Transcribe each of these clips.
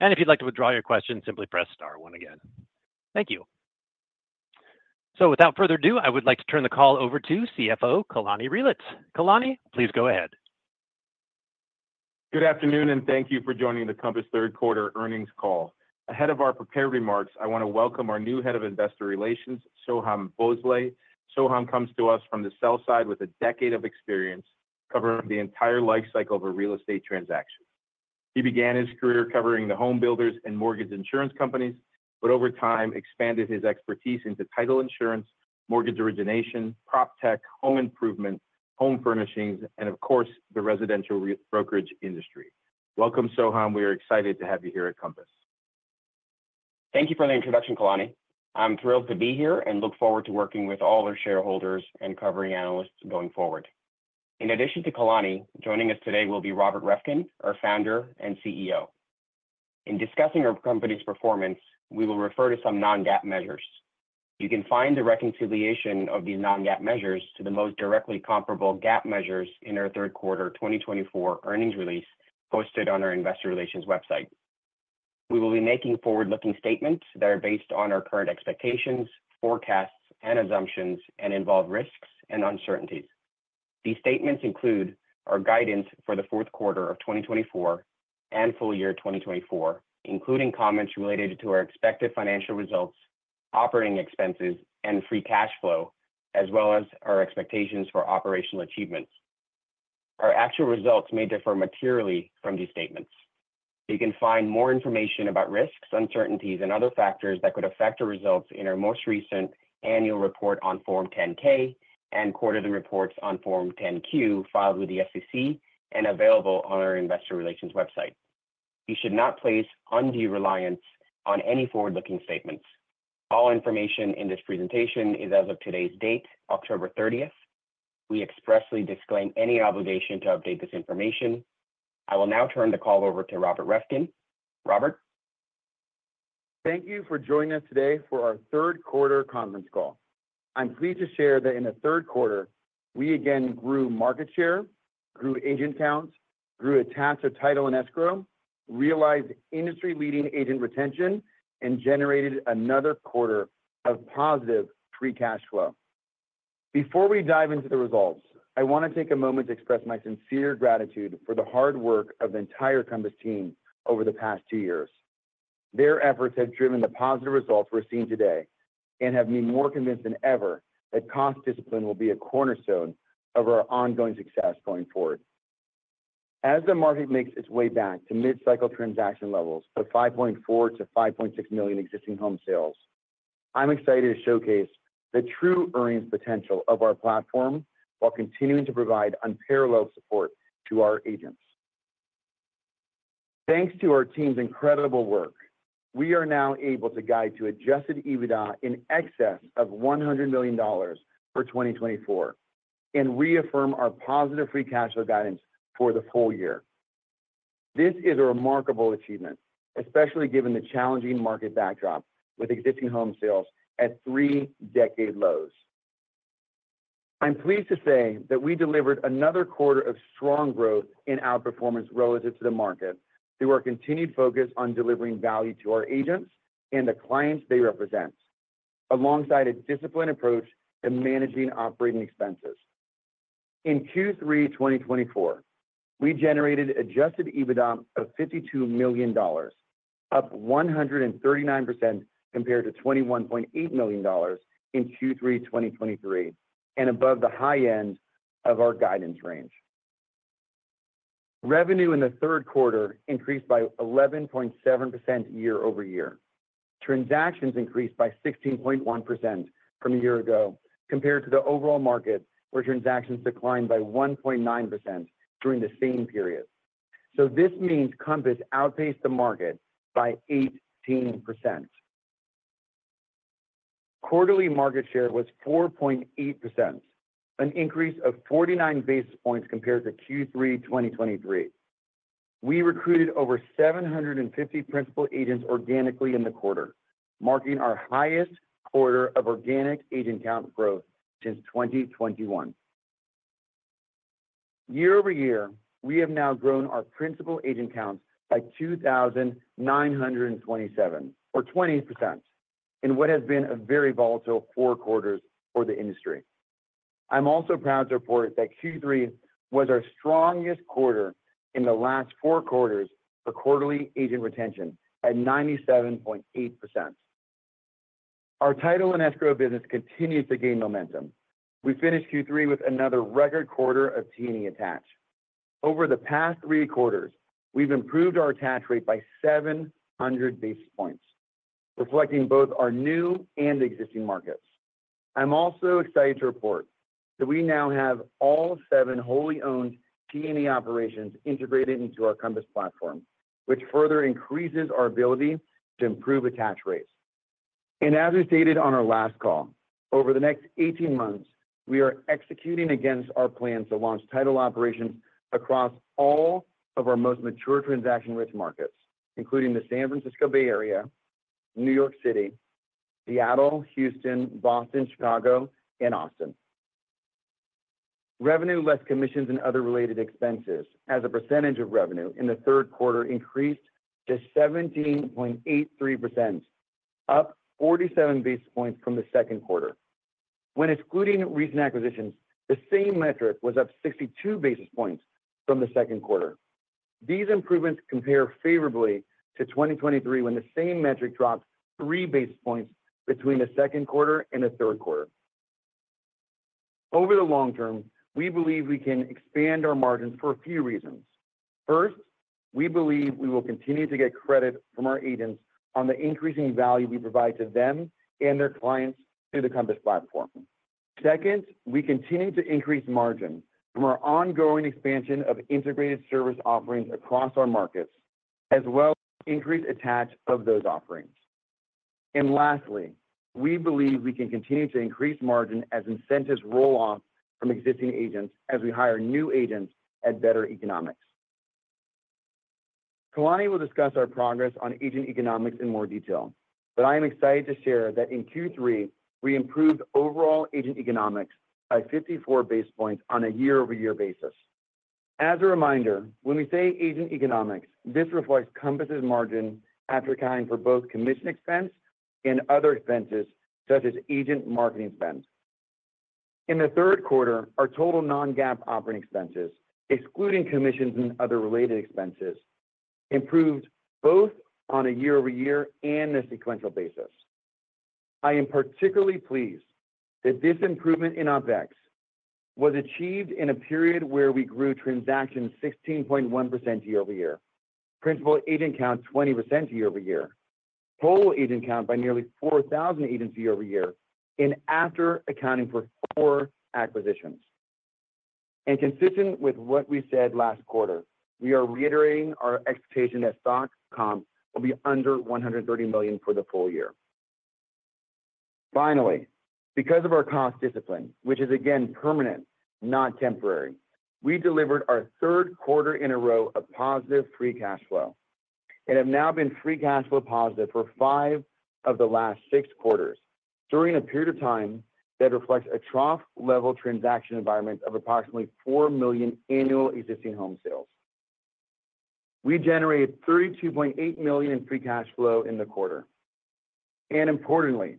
And if you'd like to withdraw your question, simply press star one again. Thank you. So without further ado, I would like to turn the call over to CFO Kalani Reelitz. Kalani, please go ahead. Good afternoon, and thank you for joining the Compass third quarter earnings call. Ahead of our prepared remarks, I want to welcome our new Head of Investor Relations, Soham Bhonsle. Soham comes to us from the sell-side with a decade of experience covering the entire lifecycle of a real estate transaction. He began his career covering the home builders and mortgage insurance companies, but over time expanded his expertise into title insurance, mortgage origination, PropTech, home improvement, home furnishings, and of course, the residential brokerage industry. Welcome, Soham. We are excited to have you here at Compass. Thank you for the introduction, Kalani. I'm thrilled to be here and look forward to working with all our shareholders and covering analysts going forward. In addition to Kalani, joining us today will be Robert Reffkin, our Founder and CEO. In discussing our company's performance, we will refer to some non-GAAP measures. You can find the reconciliation of these non-GAAP measures to the most directly comparable GAAP measures in our third quarter 2024 earnings release posted on our Investor Relations website. We will be making forward-looking statements that are based on our current expectations, forecasts, and assumptions, and involve risks and uncertainties. These statements include our guidance for the fourth quarter of 2024 and full-year 2024, including comments related to our expected financial results, operating expenses, and free cash flow, as well as our expectations for operational achievements. Our actual results may differ materially from these statements. You can find more information about risks, uncertainties, and other factors that could affect our results in our most recent annual report on Form 10-K and quarterly reports on Form 10-Q filed with the SEC and available on our Investor Relations website. You should not place undue reliance on any forward-looking statements. All information in this presentation is as of today's date, October 30th. We expressly disclaim any obligation to update this information. I will now turn the call over to Robert Reffkin. Robert? Thank you for joining us today for our third quarter conference call. I'm pleased to share that in the third quarter, we again grew market share, grew agent count, grew attach rate or title and escrow, realized industry-leading agent retention, and generated another quarter of positive free cash flow. Before we dive into the results, I want to take a moment to express my sincere gratitude for the hard work of the entire Compass team over the past two years. Their efforts have driven the positive results we're seeing today and have me more convinced than ever that cost discipline will be a cornerstone of our ongoing success going forward. As the market makes its way back to mid-cycle transaction levels of 5.4 million-5.6 million existing home sales, I'm excited to showcase the true earnings potential of our platform while continuing to provide unparalleled support to our agents. Thanks to our team's incredible work, we are now able to guide to adjusted EBITDA in excess of $100 million for 2024 and reaffirm our positive free cash flow guidance for the full-year. This is a remarkable achievement, especially given the challenging market backdrop with existing home sales at three-decade lows. I'm pleased to say that we delivered another quarter of strong growth in our performance relative to the market through our continued focus on delivering value to our agents and the clients they represent, alongside a disciplined approach to managing operating expenses. In Q3 2024, we generated adjusted EBITDA of $52 million, up 139% compared to $21.8 million in Q3 2023 and above the high end of our guidance range. Revenue in the third quarter increased by 11.7% year-over-year. Transactions increased by 16.1% from a year ago compared to the overall market, where transactions declined by 1.9% during the same period. So this means Compass outpaced the market by 18%. Quarterly market share was 4.8%, an increase of 49 basis points compared to Q3 2023. We recruited over 750 principal agents organically in the quarter, marking our highest quarter of organic agent count growth since 2021. Year-over-year, we have now grown our principal agent counts by 2,927, or 20%, in what has been a very volatile four quarters for the industry. I'm also proud to report that Q3 was our strongest quarter in the last four quarters for quarterly agent retention at 97.8%. Our title and escrow business continues to gain momentum. We finished Q3 with another record quarter of T&E attached. Over the past three quarters, we've improved our attach rate by 700 basis points, reflecting both our new and existing markets. I'm also excited to report that we now have all seven wholly owned T&E operations integrated into our Compass platform, which further increases our ability to improve attach rates. And as we stated on our last call, over the next 18 months, we are executing against our plans to launch title operations across all of our most mature transaction markets, including the San Francisco Bay Area, New York City, Seattle, Houston, Boston, Chicago, and Austin. Revenue, less commissions and other related expenses, as a percentage of revenue in the third quarter increased to 17.83%, up 47 basis points from the second quarter. When excluding recent acquisitions, the same metric was up 62 basis points from the second quarter. These improvements compare favorably to 2023, when the same metric dropped three basis points between the second quarter and the third quarter. Over the long term, we believe we can expand our margins for a few reasons. First, we believe we will continue to get credit from our agents on the increasing value we provide to them and their clients through the Compass platform. Second, we continue to increase margin from our ongoing expansion of integrated service offerings across our markets, as well as increased attach of those offerings. And lastly, we believe we can continue to increase margin as incentives roll off from existing agents as we hire new agents at better economics. Kalani will discuss our progress on agent economics in more detail, but I am excited to share that in Q3, we improved overall agent economics by 54 basis points on a year-over-year basis. As a reminder, when we say agent economics, this reflects Compass's margin after accounting for both commission expense and other expenses such as agent marketing spend. In the third quarter, our total non-GAAP operating expenses, excluding commissions and other related expenses, improved both on a year-over-year and a sequential basis. I am particularly pleased that this improvement in OpEx was achieved in a period where we grew transactions 16.1% year-over-year, principal agent count 20% year-over-year, total agent count by nearly 4,000 agents year-over-year, and after accounting for four acquisitions. And consistent with what we said last quarter, we are reiterating our expectation that stock comp will be under $130 million for the full-year. Finally, because of our cost discipline, which is again permanent, not temporary, we delivered our third quarter in a row of positive free cash flow. It has now been free cash flow positive for five of the last six quarters during a period of time that reflects a trough-level transaction environment of approximately four million annual existing home sales. We generated $32.8 million in free cash flow in the quarter. And importantly,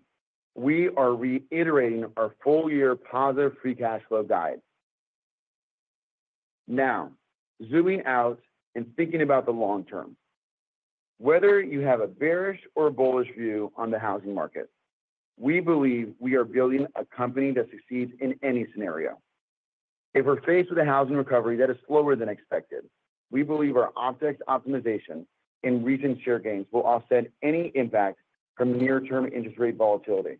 we are reiterating our full-year positive free cash flow guide. Now, zooming out and thinking about the long term, whether you have a bearish or bullish view on the housing market, we believe we are building a company that succeeds in any scenario. If we're faced with a housing recovery that is slower than expected, we believe our OpEx optimization and recent share gains will offset any impact from near-term interest rate volatility.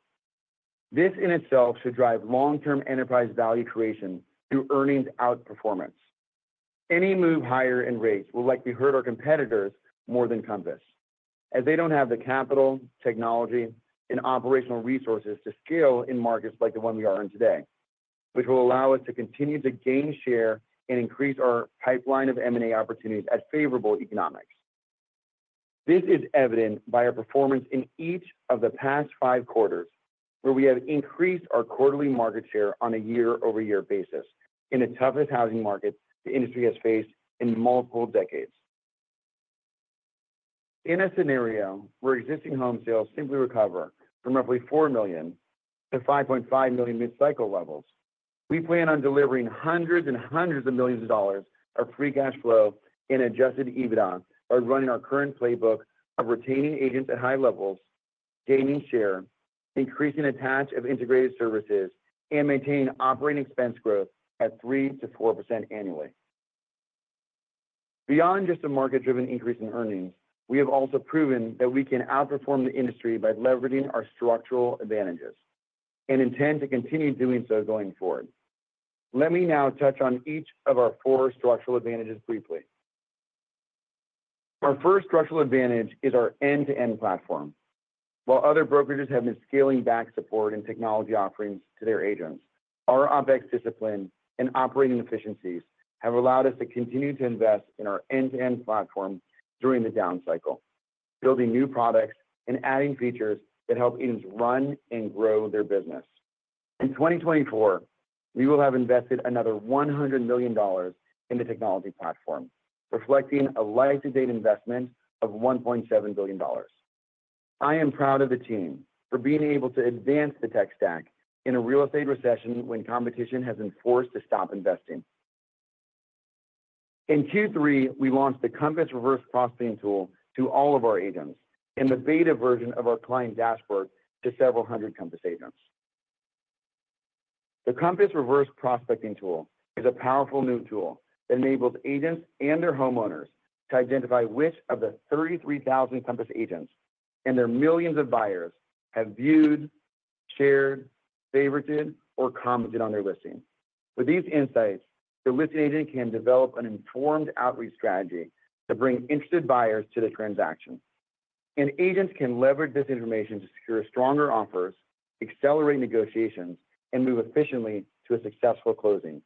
This in itself should drive long-term enterprise value creation through earnings outperformance. Any move higher in rates will likely hurt our competitors more than Compass, as they don't have the capital, technology, and operational resources to scale in markets like the one we are in today, which will allow us to continue to gain share and increase our pipeline of M&A opportunities at favorable economics. This is evident by our performance in each of the past five quarters, where we have increased our quarterly market share on a year-over-year basis in the toughest housing markets the industry has faced in multiple decades. In a scenario where existing home sales simply recover from roughly $4 million-$5.5 million mid-cycle levels, we plan on delivering hundreds and hundreds of millions of dollars of free cash flow and adjusted EBITDA by running our current playbook of retaining agents at high levels, gaining share, increasing attach of integrated services, and maintaining operating expense growth at 3%-4% annually. Beyond just a market-driven increase in earnings, we have also proven that we can outperform the industry by leveraging our structural advantages and intend to continue doing so going forward. Let me now touch on each of our four structural advantages briefly. Our first structural advantage is our end-to-end platform. While other brokerages have been scaling back support and technology offerings to their agents, our OpEx discipline and operating efficiencies have allowed us to continue to invest in our end-to-end platform during the down cycle, building new products and adding features that help agents run and grow their business. In 2024, we will have invested another $100 million in the technology platform, reflecting a life-to-date investment of $1.7 billion. I am proud of the team for being able to advance the tech stack in a real estate recession when competition has been forced to stop investing. In Q3, we launched the Compass Reverse Prospecting Tool to all of our agents and the beta version of our Client Dashboard to several hundred Compass agents. The Compass Reverse Prospecting Tool is a powerful new tool that enables agents and their homeowners to identify which of the 33,000 Compass agents and their millions of buyers have viewed, shared, favorited, or commented on their listing. With these insights, the listing agent can develop an informed outreach strategy to bring interested buyers to the transaction, and agents can leverage this information to secure stronger offers, accelerate negotiations, and move efficiently to a successful closing.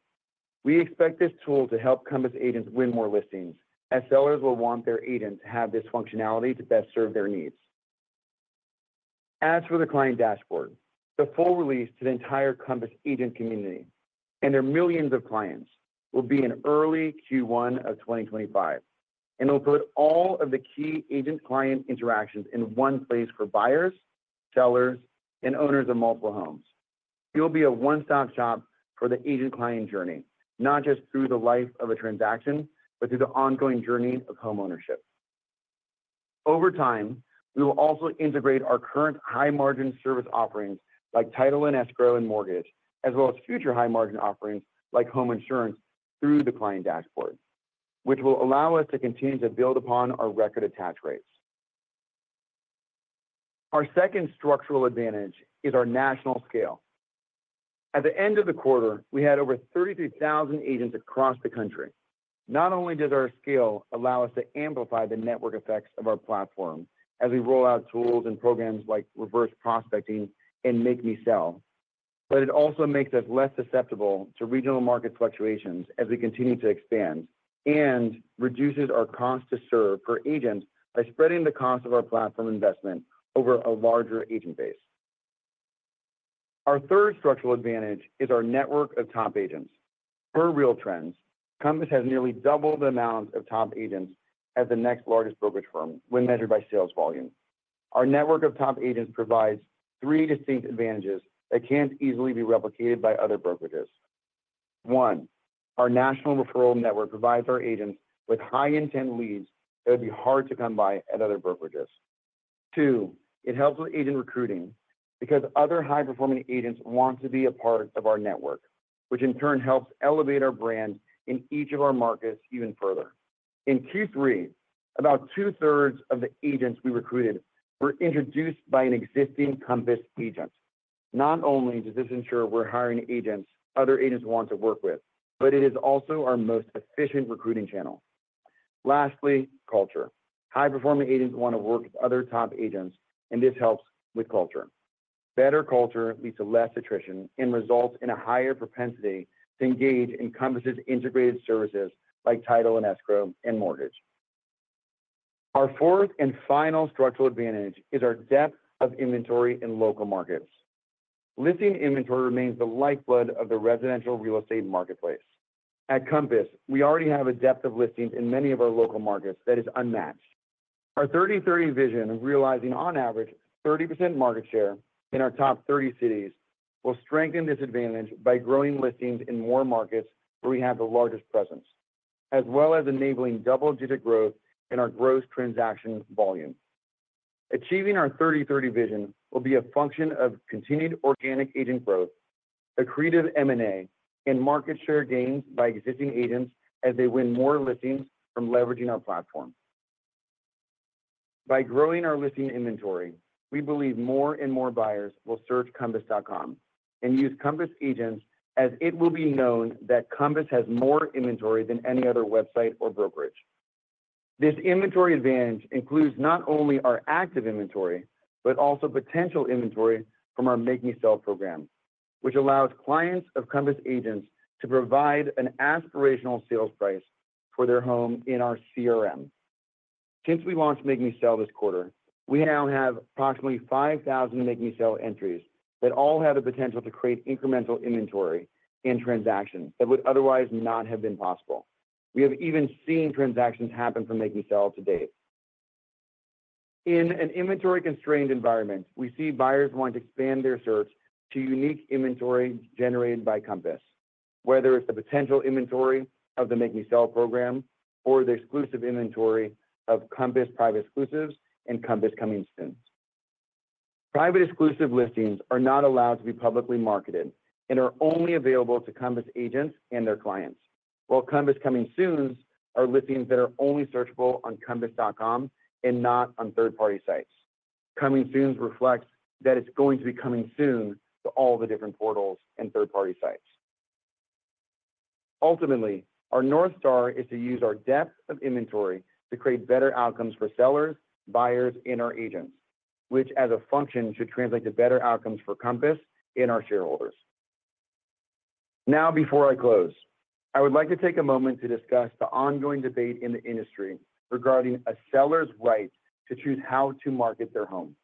We expect this tool to help Compass agents win more listings as sellers will want their agents to have this functionality to best serve their needs. As for the Client Dashboard, the full release to the entire Compass agent community and their millions of clients will be in early Q1 of 2025, and it will put all of the key agent-client interactions in one place for buyers, sellers, and owners of multiple homes. It will be a one-stop shop for the agent-client journey, not just through the life of a transaction, but through the ongoing journey of homeownership. Over time, we will also integrate our current high-margin service offerings like title and escrow and mortgage, as well as future high-margin offerings like home insurance through the client dashboard, which will allow us to continue to build upon our record attach rates. Our second structural advantage is our national scale. At the end of the quarter, we had over 33,000 agents across the country. Not only does our scale allow us to amplify the network effects of our platform as we roll out tools and programs like Reverse Prospecting and Make Me Sell, but it also makes us less susceptible to regional market fluctuations as we continue to expand and reduces our cost to serve for agents by spreading the cost of our platform investment over a larger agent base. Our third structural advantage is our network of top agents. For RealTrends, Compass has nearly double the amount of top agents as the next largest brokerage firm when measured by sales volume. Our network of top agents provides three distinct advantages that can't easily be replicated by other brokerages. One, our national referral network provides our agents with high-intent leads that would be hard to come by at other brokerages. Two, it helps with agent recruiting because other high-performing agents want to be a part of our network, which in turn helps elevate our brand in each of our markets even further. In Q3, about two-thirds of the agents we recruited were introduced by an existing Compass agent. Not only does this ensure we're hiring agents other agents want to work with, but it is also our most efficient recruiting channel. Lastly, culture. High-performing agents want to work with other top agents, and this helps with culture. Better culture leads to less attrition and results in a higher propensity to engage in Compass's integrated services like title and escrow and mortgage. Our fourth and final structural advantage is our depth of inventory in local markets. Listing inventory remains the lifeblood of the residential real estate marketplace. At Compass, we already have a depth of listings in many of our local markets that is unmatched. Our 30/30 vision of realizing on average 30% market share in our top 30 cities will strengthen this advantage by growing listings in more markets where we have the largest presence, as well as enabling double-digit growth in our gross transaction volume. Achieving our 30/30 vision will be a function of continued organic agent growth, accretive M&A, and market share gains by existing agents as they win more listings from leveraging our platform. By growing our listing inventory, we believe more and more buyers will search Compass.com and use Compass agents as it will be known that Compass has more inventory than any other website or brokerage. This inventory advantage includes not only our active inventory, but also potential inventory from our Make Me Sell program, which allows clients of Compass agents to provide an aspirational sales price for their home in our CRM. Since we launched Make Me Sell this quarter, we now have approximately 5,000 Make Me Sell entries that all have the potential to create incremental inventory and transactions that would otherwise not have been possible. We have even seen transactions happen from Make Me Sell to date. In an inventory-constrained environment, we see buyers want to expand their search to unique inventory generated by Compass, whether it's the potential inventory of the Make Me Sell program or the exclusive inventory of Compass Private Exclusives and Compass Coming Soon. Compass Private Exclusives are not allowed to be publicly marketed and are only available to Compass agents and their clients, while Compass Coming Soons are listings that are only searchable on Compass.com and not on third-party sites. Coming Soons reflects that it's going to be coming soon to all the different portals and third-party sites. Ultimately, our Northstar is to use our depth of inventory to create better outcomes for sellers, buyers, and our agents, which as a function should translate to better outcomes for Compass and our shareholders. Now, before I close, I would like to take a moment to discuss the ongoing debate in the industry regarding a seller's right to choose how to market their home.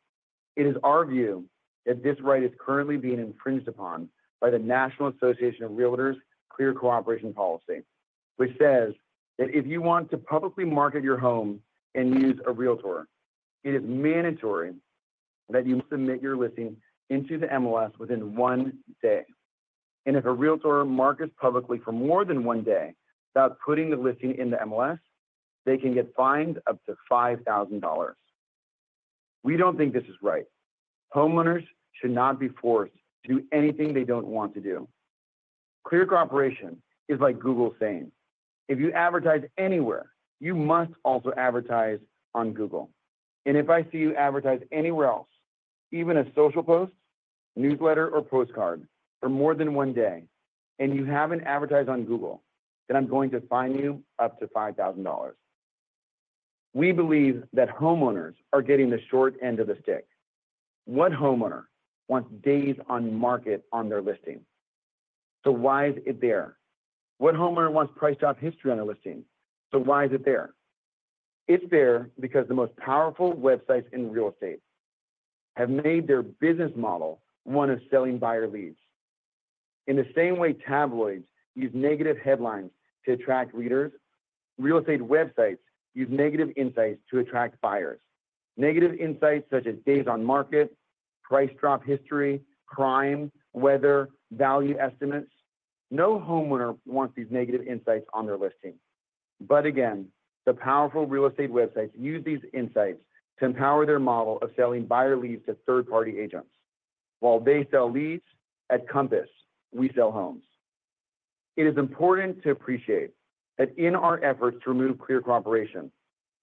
It is our view that this right is currently being infringed upon by the National Association of Realtors' Clear Cooperation Policy, which says that if you want to publicly market your home and use a Realtor, it is mandatory that you submit your listing into the MLS within one day, and if a Realtor markets publicly for more than one day without putting the listing in the MLS, they can get fined up to $5,000. We don't think this is right. Homeowners should not be forced to do anything they don't want to do. Clear Cooperation is like Google saying, "If you advertise anywhere, you must also advertise on Google," and if I see you advertise anywhere else, even a social post, newsletter, or postcard for more than one day, and you haven't advertised on Google, then I'm going to fine you up to $5,000. We believe that homeowners are getting the short end of the stick. What homeowner wants days on market on their listing? So why is it there? What homeowner wants price drop history on their listing? So why is it there? It's there because the most powerful websites in real estate have made their business model one of selling buyer leads. In the same way tabloids use negative headlines to attract readers, real estate websites use negative insights to attract buyers. Negative insights such as days on market, price drop history, crime, weather, value estimates. No homeowner wants these negative insights on their listing. But again, the powerful real estate websites use these insights to empower their model of selling buyer leads to third-party agents. While they sell leads, at Compass, we sell homes. It is important to appreciate that in our efforts to remove Clear Cooperation,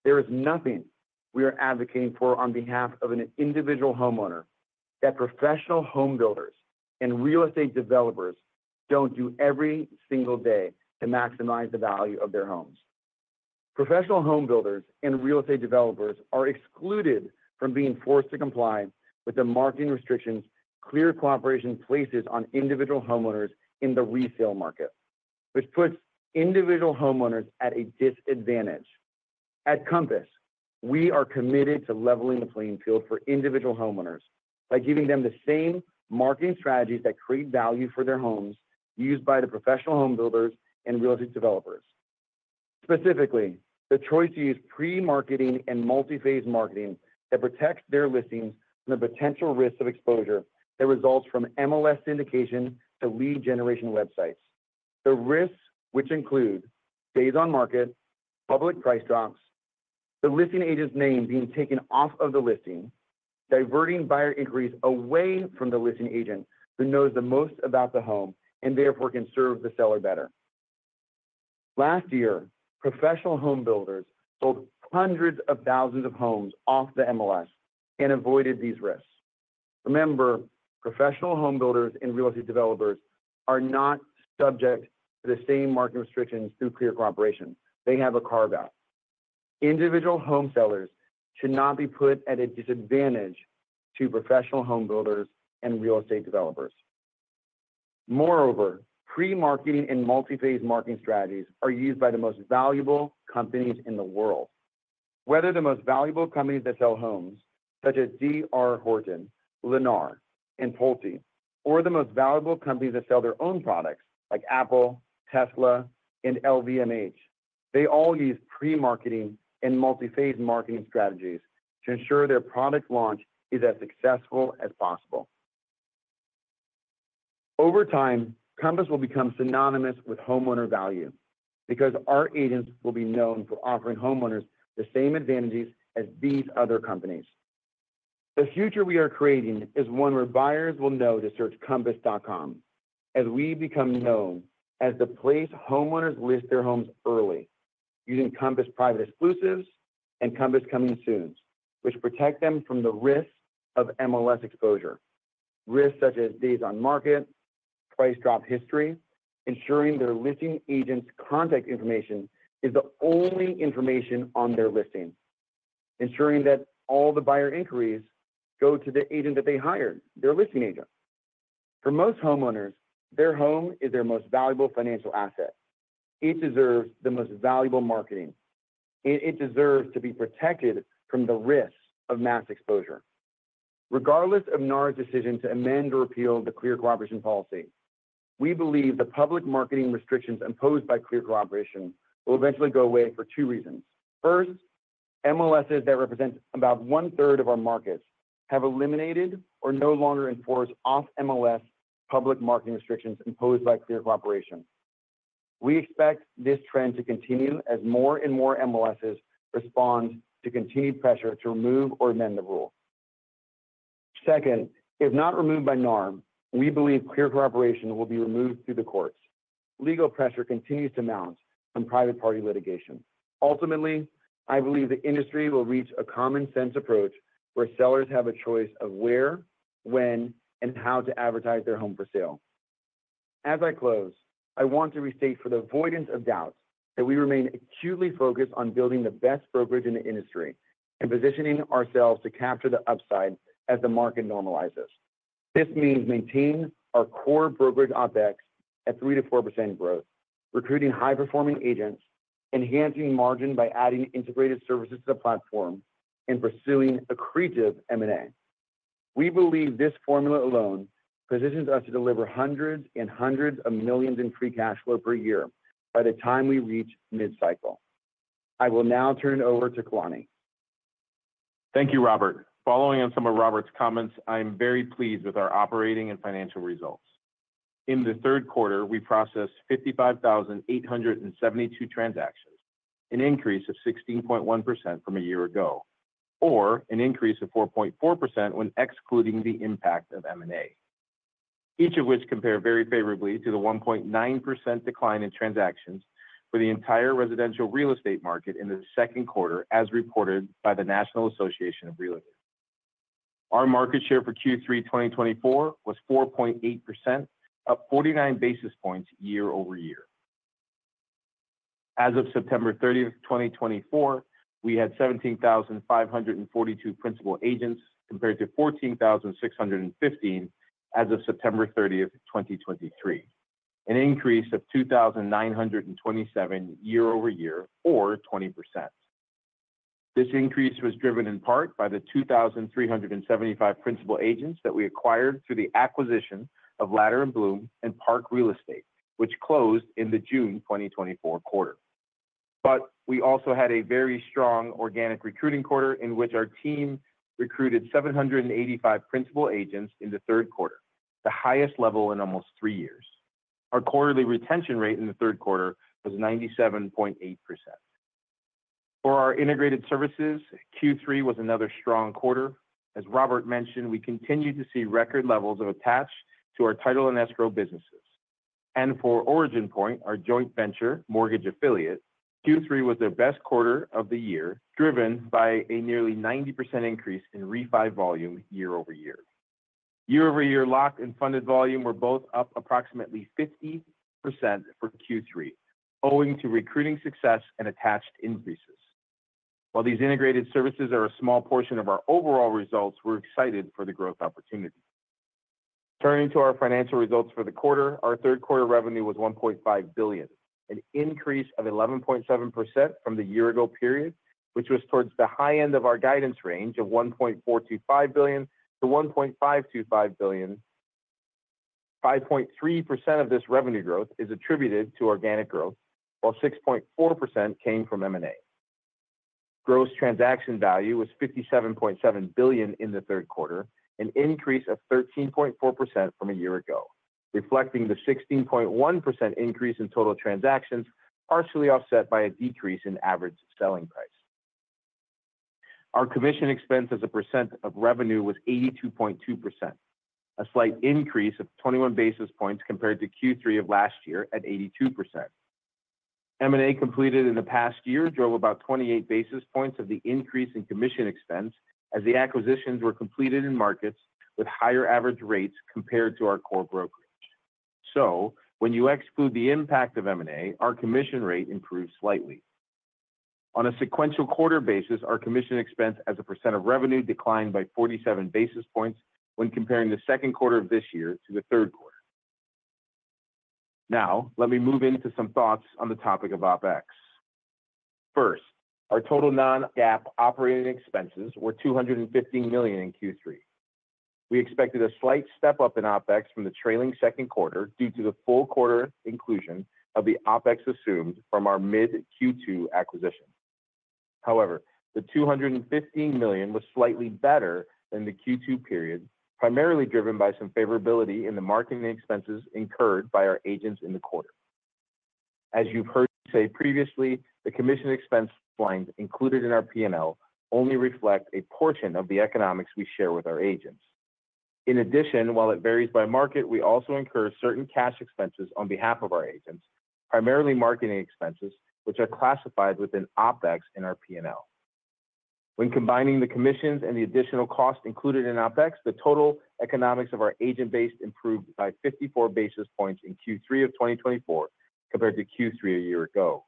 there is nothing we are advocating for on behalf of an individual homeowner that professional home builders and real estate developers don't do every single day to maximize the value of their homes. Professional home builders and real estate developers are excluded from being forced to comply with the marketing restrictions Clear Cooperation places on individual homeowners in the resale market, which puts individual homeowners at a disadvantage. At Compass, we are committed to leveling the playing field for individual homeowners by giving them the same marketing strategies that create value for their homes used by the professional home builders and real estate developers. Specifically, the choice to use pre-marketing and multi-phase marketing that protects their listings from the potential risks of exposure that results from MLS syndication to lead generation websites. The risks, which include days on market, public price drops, the listing agent's name being taken off of the listing, diverting buyer inquiries away from the listing agent who knows the most about the home and therefore can serve the seller better. Last year, professional home builders sold hundreds of thousands of homes off the MLS and avoided these risks. Remember, professional home builders and real estate developers are not subject to the same marketing restrictions through Clear Cooperation. They have a carve-out. Individual home sellers should not be put at a disadvantage to professional home builders and real estate developers. Moreover, pre-marketing and multi-phase marketing strategies are used by the most valuable companies in the world. Whether the most valuable companies that sell homes, such as D.R. Horton, Lennar, and Pulte, or the most valuable companies that sell their own products like Apple, Tesla, and LVMH, they all use pre-marketing and multi-phase marketing strategies to ensure their product launch is as successful as possible. Over time, Compass will become synonymous with homeowner value because our agents will be known for offering homeowners the same advantages as these other companies. The future we are creating is one where buyers will know to search compass.com as we become known as the place homeowners list their homes early using Compass Private Exclusives and Compass Coming Soon, which protect them from the risks of MLS exposure, risks such as days on market, price drop history, ensuring their listing agent's contact information is the only information on their listing, ensuring that all the buyer inquiries go to the agent that they hired, their listing agent. For most homeowners, their home is their most valuable financial asset. It deserves the most valuable marketing, and it deserves to be protected from the risks of mass exposure. Regardless of NAR's decision to amend or repeal the Clear Cooperation Policy, we believe the public marketing restrictions imposed by Clear Cooperation will eventually go away for two reasons. First, MLSs that represent about one-third of our markets have eliminated or no longer enforce off-MLS public marketing restrictions imposed by Clear Cooperation. We expect this trend to continue as more and more MLSs respond to continued pressure to remove or amend the rule. Second, if not removed by NAR, we believe Clear Cooperation will be removed through the courts. Legal pressure continues to mount from private-party litigation. Ultimately, I believe the industry will reach a common-sense approach where sellers have a choice of where, when, and how to advertise their home for sale. As I close, I want to restate for the avoidance of doubt that we remain acutely focused on building the best brokerage in the industry and positioning ourselves to capture the upside as the market normalizes. This means maintaining our core brokerage OpEx at 3%-4% growth, recruiting high-performing agents, enhancing margin by adding integrated services to the platform, and pursuing accretive M&A. We believe this formula alone positions us to deliver hundreds and hundreds of millions in free cash flow per year by the time we reach mid-cycle. I will now turn it over to Kalani. Thank you, Robert. Following on some of Robert's comments, I am very pleased with our operating and financial results. In the third quarter, we processed 55,872 transactions, an increase of 16.1% from a year ago, or an increase of 4.4% when excluding the impact of M&A, each of which compare very favorably to the 1.9% decline in transactions for the entire residential real estate market in the second quarter, as reported by the National Association of Realtors. Our market share for Q3 2024 was 4.8%, up 49 basis points year-over-year. As of September 30, 2024, we had 17,542 principal agents compared to 14,615 as of September 30, 2023, an increase of 2,927 year-over-year, or 20%. This increase was driven in part by the 2,375 principal agents that we acquired through the acquisition of Latter & Blum and Parks Real Estate, which closed in the June 2024 quarter. But we also had a very strong organic recruiting quarter in which our team recruited 785 principal agents in the third quarter, the highest level in almost three years. Our quarterly retention rate in the third quarter was 97.8%. For our integrated services, Q3 was another strong quarter. As Robert mentioned, we continue to see record levels of attached to our title and escrow businesses. And for OriginPoint, our joint venture mortgage affiliate, Q3 was their best quarter of the year, driven by a nearly 90% increase in refi volume year-over-year. Year-over-year, locked and funded volume were both up approximately 50% for Q3, owing to recruiting success and attached increases. While these integrated services are a small portion of our overall results, we're excited for the growth opportunity. Turning to our financial results for the quarter, our third quarter revenue was $1.5 billion, an increase of 11.7% from the year-ago period, which was towards the high end of our guidance range of $1.425 billion-$1.525 billion. 5.3% of this revenue growth is attributed to organic growth, while 6.4% came from M&A. Gross transaction value was $57.7 billion in the third quarter, an increase of 13.4% from a year ago, reflecting the 16.1% increase in total transactions, partially offset by a decrease in average selling price. Our commission expense as a percent of revenue was 82.2%, a slight increase of 21 basis points compared to Q3 of last year at 82%. M&A completed in the past year drove about 28 basis points of the increase in commission expense as the acquisitions were completed in markets with higher average rates compared to our core brokerage. So when you exclude the impact of M&A, our commission rate improved slightly. On a sequential quarter basis, our commission expense as a percent of revenue declined by 47 basis points when comparing the second quarter of this year to the third quarter. Now, let me move into some thoughts on the topic of OpEx. First, our total non-GAAP operating expenses were $215 million in Q3. We expected a slight step up in OpEx from the trailing second quarter due to the full quarter inclusion of the OpEx assumed from our mid-Q2 acquisition. However, the $215 million was slightly better than the Q2 period, primarily driven by some favorability in the marketing expenses incurred by our agents in the quarter. As you've heard me say previously, the commission expense lines included in our P&L only reflect a portion of the economics we share with our agents. In addition, while it varies by market, we also incur certain cash expenses on behalf of our agents, primarily marketing expenses, which are classified within OpEx in our P&L. When combining the commissions and the additional costs included in OpEx, the total economics of our agent base improved by 54 basis points in Q3 of 2024 compared to Q3 a year ago.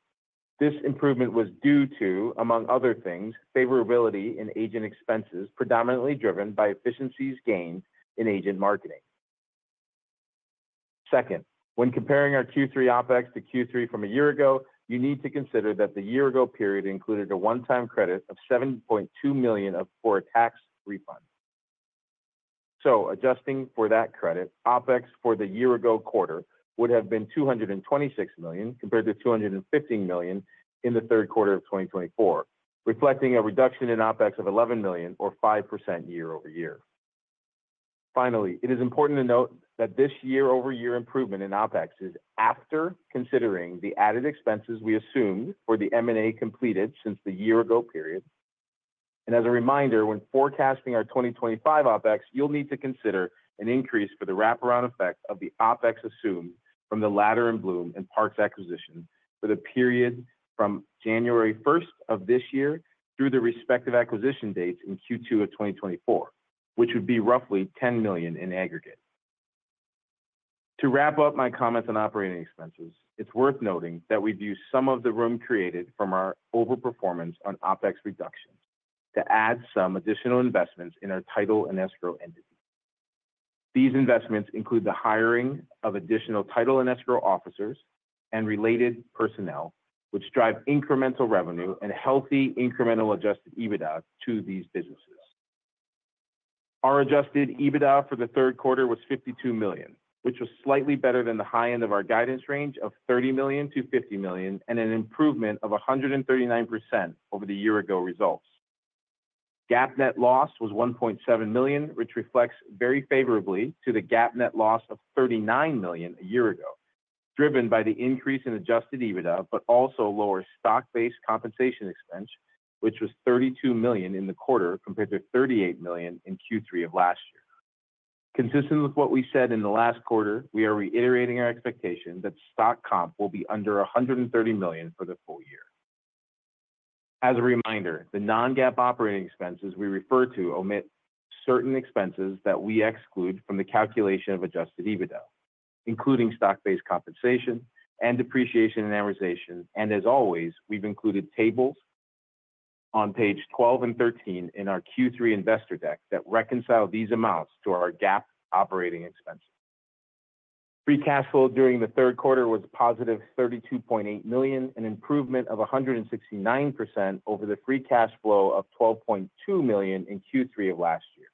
This improvement was due to, among other things, favorability in agent expenses predominantly driven by efficiencies gained in agent marketing. Second, when comparing our Q3 OpEx to Q3 from a year ago, you need to consider that the year-ago period included a one-time credit of $7.2 million for a tax refund. Adjusting for that credit, OpEx for the year-ago quarter would have been $226 million compared to $215 million in the third quarter of 2024, reflecting a reduction in OpEx of $11 million, or 5% year-over-year. Finally, it is important to note that this year-over-year improvement in OpEx is after considering the added expenses we assumed for the M&A completed since the year-ago period. As a reminder, when forecasting our 2025 OpEx, you'll need to consider an increase for the wraparound effect of the OpEx assumed from the Latter & Blum and Parks acquisition for the period from January 1st of this year through the respective acquisition dates in Q2 of 2024, which would be roughly $10 million in aggregate. To wrap up my comments on operating expenses, it's worth noting that we've used some of the room created from our overperformance on OpEx reductions to add some additional investments in our title and escrow entity. These investments include the hiring of additional title and escrow officers and related personnel, which drive incremental revenue and healthy incremental adjusted EBITDA to these businesses. Our adjusted EBITDA for the third quarter was $52 million, which was slightly better than the high end of our guidance range of $30 million-$50 million and an improvement of 139% over the year-ago results. GAAP net loss was $1.7 million, which reflects very favorably to the GAAP net loss of $39 million a year ago, driven by the increase in adjusted EBITDA, but also lower stock-based compensation expense, which was $32 million in the quarter compared to $38 million in Q3 of last year. Consistent with what we said in the last quarter, we are reiterating our expectation that stock comp will be under $130 million for the full-year. As a reminder, the non-GAAP operating expenses we refer to omit certain expenses that we exclude from the calculation of adjusted EBITDA, including stock-based compensation and depreciation and amortization, and as always, we've included tables on pages 12 and 13 in our Q3 investor deck that reconcile these amounts to our GAAP operating expenses. Free cash flow during the third quarter was positive $32.8 million, an improvement of 169% over the free cash flow of $12.2 million in Q3 of last year.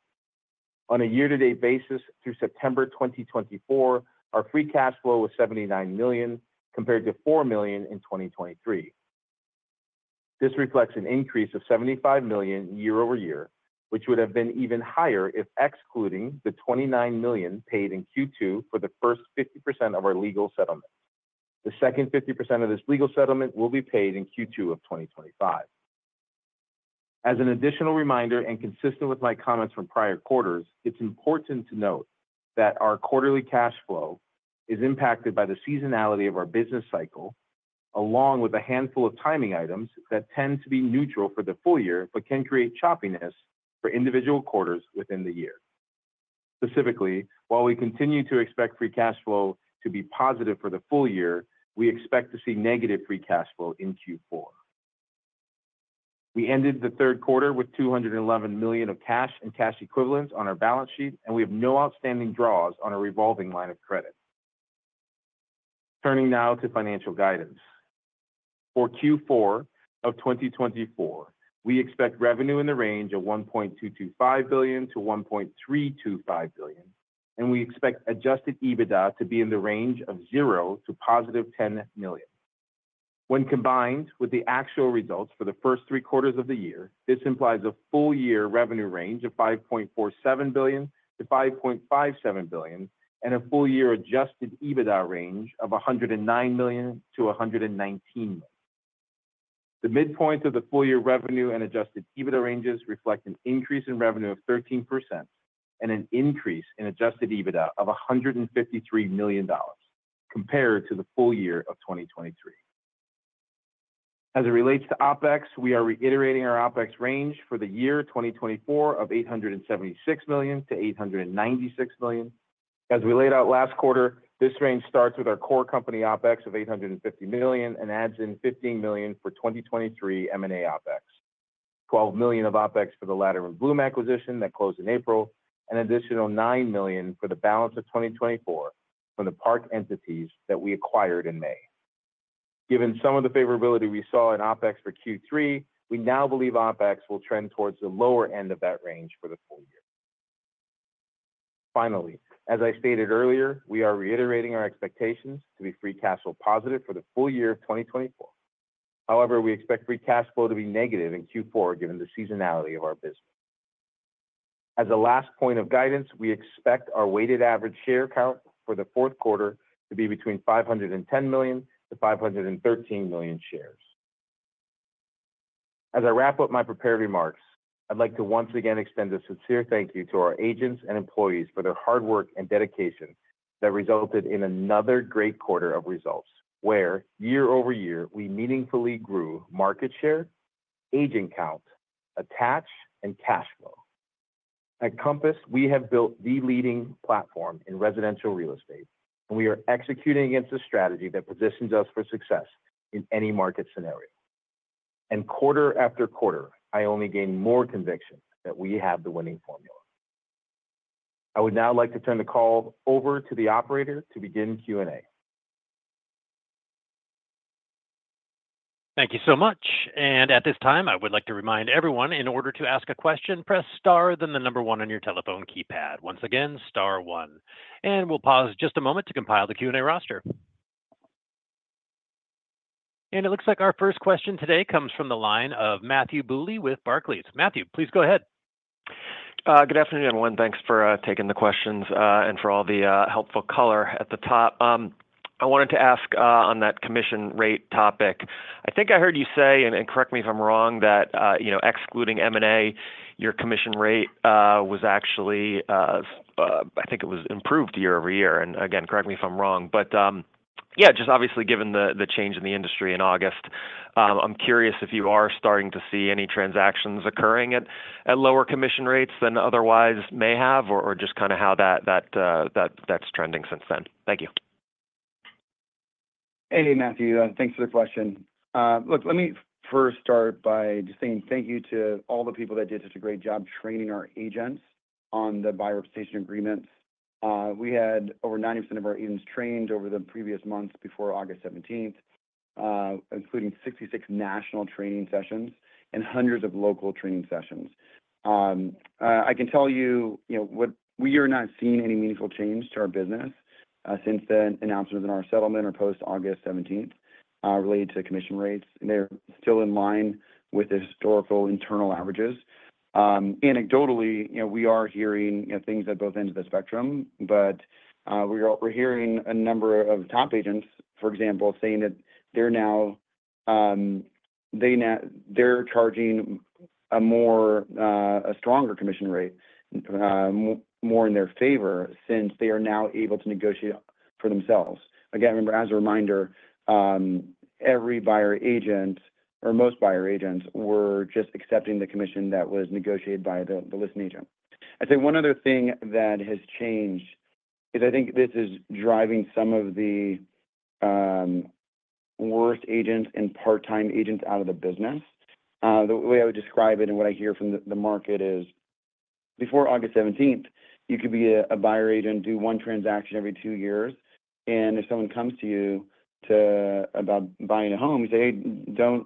On a year-to-date basis, through September 2024, our free cash flow was $79 million compared to $4 million in 2023. This reflects an increase of $75 million year-over-year, which would have been even higher if excluding the $29 million paid in Q2 for the first 50% of our legal settlement. The second 50% of this legal settlement will be paid in Q2 of 2025. As an additional reminder and consistent with my comments from prior quarters, it's important to note that our quarterly cash flow is impacted by the seasonality of our business cycle, along with a handful of timing items that tend to be neutral for the full-year but can create choppiness for individual quarters within the year. Specifically, while we continue to expect free cash flow to be positive for the full-year, we expect to see negative free cash flow in Q4. We ended the third quarter with $211 million of cash and cash equivalents on our balance sheet, and we have no outstanding draws on our revolving line of credit. Turning now to financial guidance. For Q4 of 2024, we expect revenue in the range of $1.225 billion-$1.325 billion, and we expect Adjusted EBITDA to be in the range of $0 million to +$10 million. When combined with the actual results for the first three quarters of the year, this implies a full-year revenue range of $5.47 billion-$5.57 billion and a full-year adjusted EBITDA range of $109 million-$119 million. The midpoint of the full-year revenue and adjusted EBITDA ranges reflect an increase in revenue of 13% and an increase in adjusted EBITDA of $153 million compared to the full-year of 2023. As it relates to OpEx, we are reiterating our OpEx range for the year 2024 of $876 million-$896 million. As we laid out last quarter, this range starts with our core company OpEx of $850 million and adds in $15 million for 2023 M&A OpEx, $12 million of OpEx for the Latter & Blum acquisition that closed in April, and an additional $9 million for the balance of 2024 from the Parks entities that we acquired in May. Given some of the favorability we saw in OpEx for Q3, we now believe OpEx will trend towards the lower end of that range for the full-year. Finally, as I stated earlier, we are reiterating our expectations to be free cash flow positive for the full-year of 2024. However, we expect free cash flow to be negative in Q4 given the seasonality of our business. As a last point of guidance, we expect our weighted average share count for the fourth quarter to be between 510 million-513 million shares. As I wrap up my prepared remarks, I'd like to once again extend a sincere thank you to our agents and employees for their hard work and dedication that resulted in another great quarter of results where, year-over-year, we meaningfully grew market share, agent count, attached, and cash flow. At Compass, we have built the leading platform in residential real estate, and we are executing against a strategy that positions us for success in any market scenario. Quarter after quarter, I only gain more conviction that we have the winning formula. I would now like to turn the call over to the operator to begin Q&A. Thank you so much. At this time, I would like to remind everyone, in order to ask a question, press star, then the number one on your telephone keypad. Once again, star one. We'll pause just a moment to compile the Q&A roster. It looks like our first question today comes from the line of Matthew Bouley with Barclays. Matthew, please go ahead. Good afternoon, everyone. Thanks for taking the questions and for all the helpful color at the top. I wanted to ask on that commission rate topic. I think I heard you say, and correct me if I'm wrong, that excluding M&A, your commission rate was actually, I think it was improved year-over-year. Again, correct me if I'm wrong. But yeah, just obviously given the change in the industry in August, I'm curious if you are starting to see any transactions occurring at lower commission rates than otherwise may have or just kind of how that's trending content? Thank you. Hey, Matthew. Thanks for the question. Look, let me first start by just saying thank you to all the people that did such a great job training our agents on the buyer representation agreements. We had over 90% of our agents trained over the previous months before August 17th, including 66 national training sessions and hundreds of local training sessions. I can tell you we are not seeing any meaningful change to our business since the announcements in our settlement or post-August 17 related to commission rates. They're still in line with historical internal averages. Anecdotally, we are hearing things at both ends of the spectrum, but we're hearing a number of top agents, for example, saying that they're charging a stronger commission rate, more in their favor since they are now able to negotiate for themselves. Again, remember, as a reminder, every buyer agent or most buyer agents were just accepting the commission that was negotiated by the listing agent. I'd say one other thing that has changed is I think this is driving some of the worst agents and part-time agents out of the business. The way I would describe it and what I hear from the market is before August 17, you could be a buyer agent, do one transaction every two years. And if someone comes to you about buying a home, you say, "Hey,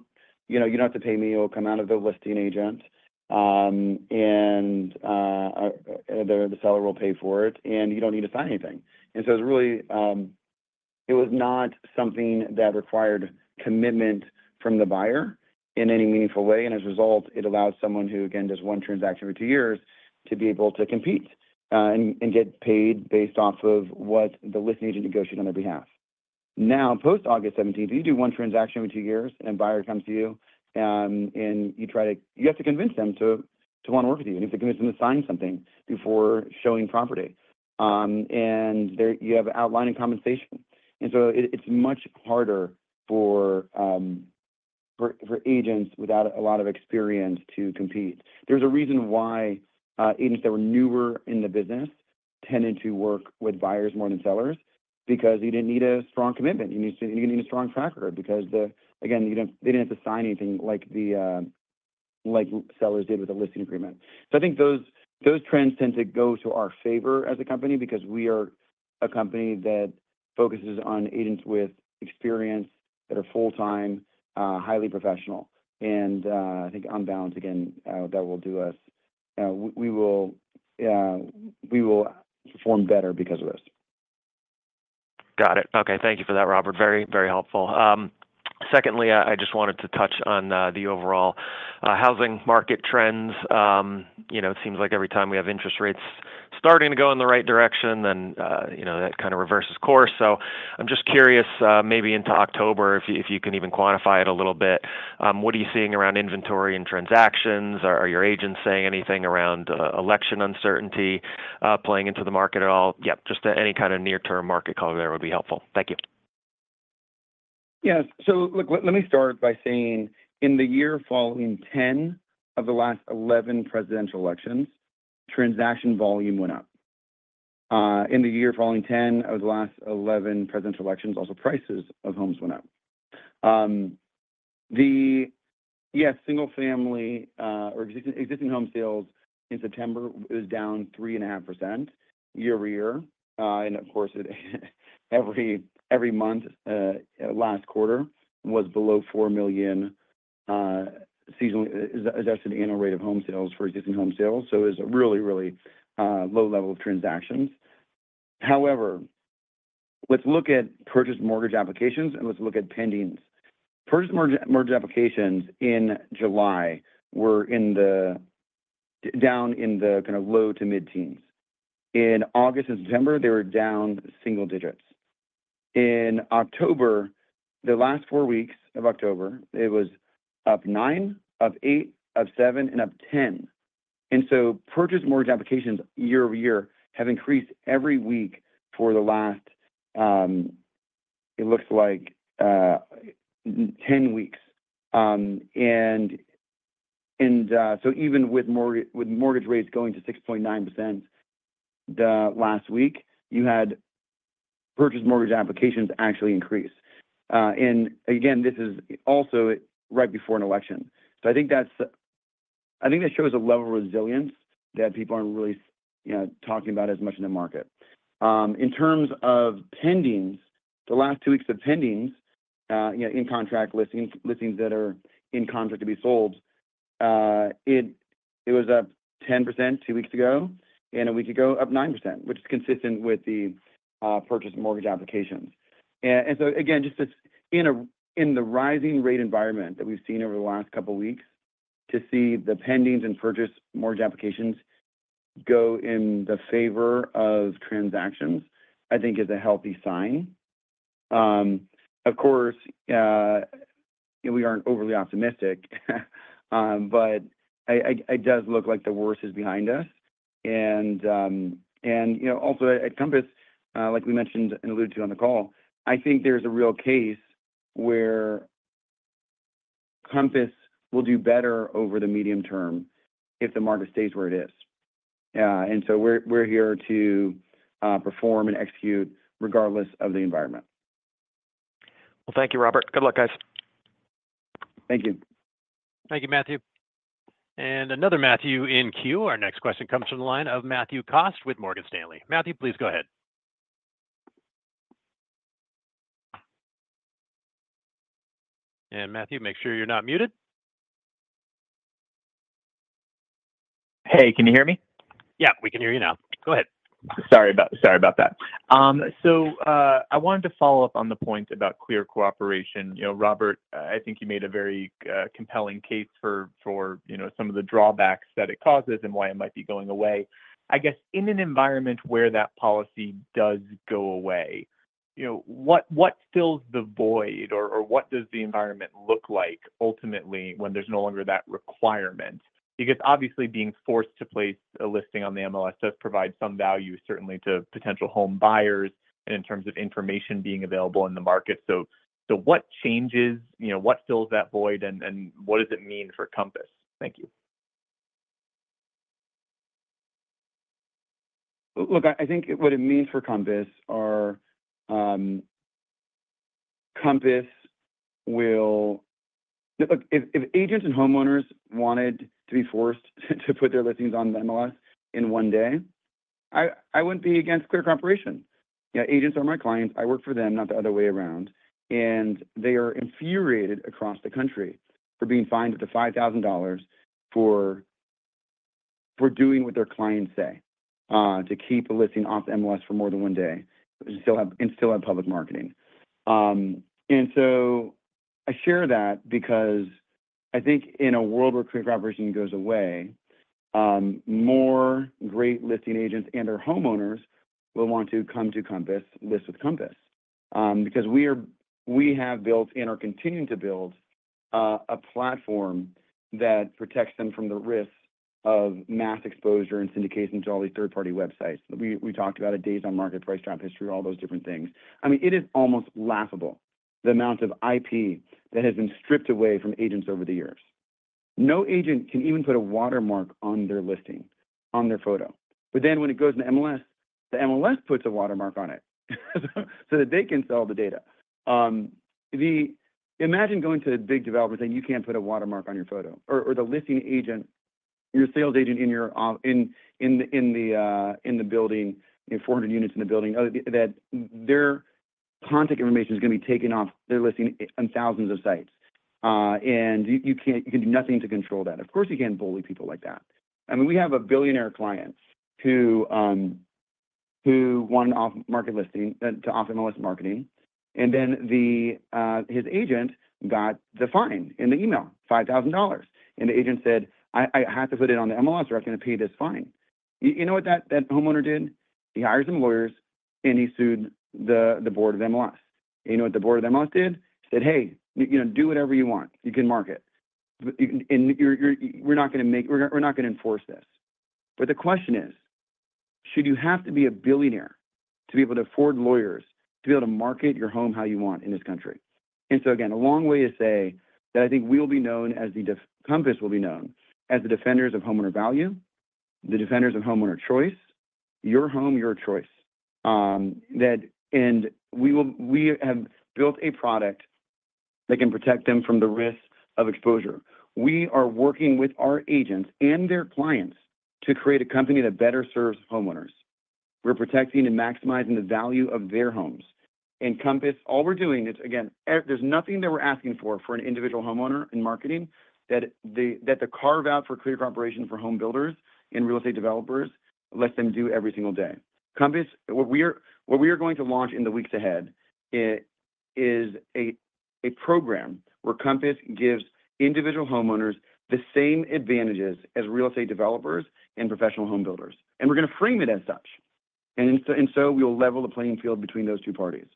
you don't have to pay me. It'll come out of the listing agent, and the seller will pay for it, and you don't need to sign anything." And so it was not something that required commitment from the buyer in any meaningful way. And as a result, it allowed someone who, again, does one transaction every two years, to be able to compete and get paid based off of what the listing agent negotiated on their behalf. Now, post-August 17, if you do one transaction every two years and a buyer comes to you and you have to convince them to want to work with you, and you have to convince them to sign something before showing property, and you have outlining compensation. And so it's much harder for agents without a lot of experience to compete. There's a reason why agents that were newer in the business tended to work with buyers more than sellers because you didn't need a strong commitment. You didn't need a strong tracker because, again, they didn't have to sign anything like sellers did with a listing agreement. So I think those trends tend to go to our favor as a company because we are a company that focuses on agents with experience that are full-time, highly professional. And I think on balance, again, that will do us. We will perform better because of this. Got it. Okay. Thank you for that, Robert. Very, very helpful. Secondly, I just wanted to touch on the overall housing market trends. It seems like every time we have interest rates starting to go in the right direction, then that kind of reverses course. I'm just curious, maybe into October, if you can even quantify it a little bit. What are you seeing around inventory and transactions? Are your agents saying anything around election uncertainty playing into the market at all? Yep. Just any kind of near-term market color there would be helpful. Thank you. Yeah, so look, let me start by saying in the year following 10 of the last 11 presidential elections, transaction volume went up. In the year following 10 of the last 11 presidential elections, also prices of homes went up. The, yes, single-family or existing home sales in September was down 3.5% year-over-year. And of course, every month last quarter was below $4 million adjusted annual rate of home sales for existing home sales. So it was a really, really low level of transactions. However, let's look at purchased mortgage applications and let's look at pendings. Purchased mortgage applications in July were down in the kind of low to mid-teens. In August and September, they were down single digits. In October, the last four weeks of October, it was up 9%, up 8%, up 7%, and up 10%. And so purchased mortgage applications year-over-year have increased every week for the last, it looks like, 10 weeks. And so even with mortgage rates going to 6.9% last week, you had purchased mortgage applications actually increase. And again, this is also right before an election. So I think that shows a level of resilience that people aren't really talking about as much in the market. In terms of pendings, the last two weeks of pendings in contract listings that are in contract to be sold, it was up 10% two weeks ago, and a week ago, up 9%, which is consistent with the purchased mortgage applications. And so again, just in the rising rate environment that we've seen over the last couple of weeks, to see the pendings and purchased mortgage applications go in the favor of transactions, I think, is a healthy sign. Of course, we aren't overly optimistic, but it does look like the worst is behind us. And also, at Compass, like we mentioned and alluded to on the call, I think there's a real case where Compass will do better over the medium term if the market stays where it is. And so we're here to perform and execute regardless of the environment. Well, thank you, Robert. Good luck, guys. Thank you. Thank you, Matthew. And another Matthew in queue. Our next question comes from the line of Matthew Cost with Morgan Stanley. Matthew, please go ahead. And Matthew, make sure you're not muted. Hey, can you hear me? Yeah, we can hear you now. Go ahead. Sorry about that. So I wanted to follow up on the point about Clear Cooperation. Robert, I think you made a very compelling case for some of the drawbacks that it causes and why it might be going away. I guess in an environment where that policy does go away, what fills the void or what does the environment look like ultimately when there's no longer that requirement? Because obviously, being forced to place a listing on the MLS does provide some value, certainly, to potential home buyers and in terms of information being available in the market. So what changes? What fills that void and what does it mean for Compass? Thank you. Look, I think what it means for Compass is if agents and homeowners wanted to be forced to put their listings on the MLS in one day, I wouldn't be against Clear Cooperation. Agents are my clients. I work for them, not the other way around. And they are infuriated across the country for being fined up to $5,000 for doing what their clients say, to keep a listing off the MLS for more than one day and still have public marketing. And so I share that because I think in a world where Clear Cooperation goes away, more great listing agents and their homeowners will want to come to Compass, list with Compass. Because we have built and are continuing to build a platform that protects them from the risks of mass exposure and syndication to all these third-party websites. We talked about a days-on-market price drop history, all those different things. I mean, it is almost laughable, the amount of IP that has been stripped away from agents over the years. No agent can even put a watermark on their listing, on their photo. But then when it goes in the MLS, the MLS puts a watermark on it so that they can sell the data. Imagine going to a big developer saying, "You can't put a watermark on your photo," or the listing agent, your sales agent in the building, 400 units in the building, that their contact information is going to be taken off their listing on thousands of sites. And you can do nothing to control that. Of course, you can't bully people like that. I mean, we have a billionaire client who wanted off-market listing to off-MLS marketing. Then his agent got the fine in the email, $5,000. And the agent said, "I have to put it on the MLS or I'm going to pay this fine." You know what that homeowner did? He hired some lawyers, and he sued the board of MLS. You know what the board of MLS did? Said, "Hey, do whatever you want. You can mark it. And we're not going to enforce this." But the question is, should you have to be a billionaire to be able to afford lawyers to be able to market your home how you want in this country? And so again, a long way to say that I think Compass will be known as the defenders of homeowner value, the defenders of homeowner choice, your home, your choice. We have built a product that can protect them from the risk of exposure. We are working with our agents and their clients to create a company that better serves homeowners. We're protecting and maximizing the value of their homes. Compass, all we're doing is, again, there's nothing that we're asking for for an individual homeowner in marketing that the carve-out for Clear Cooperation for home builders and real estate developers lets them do every single day. Compass, what we are going to launch in the weeks ahead is a program where Compass gives individual homeowners the same advantages as real estate developers and professional home builders. We're going to frame it as such. We will level the playing field between those two parties.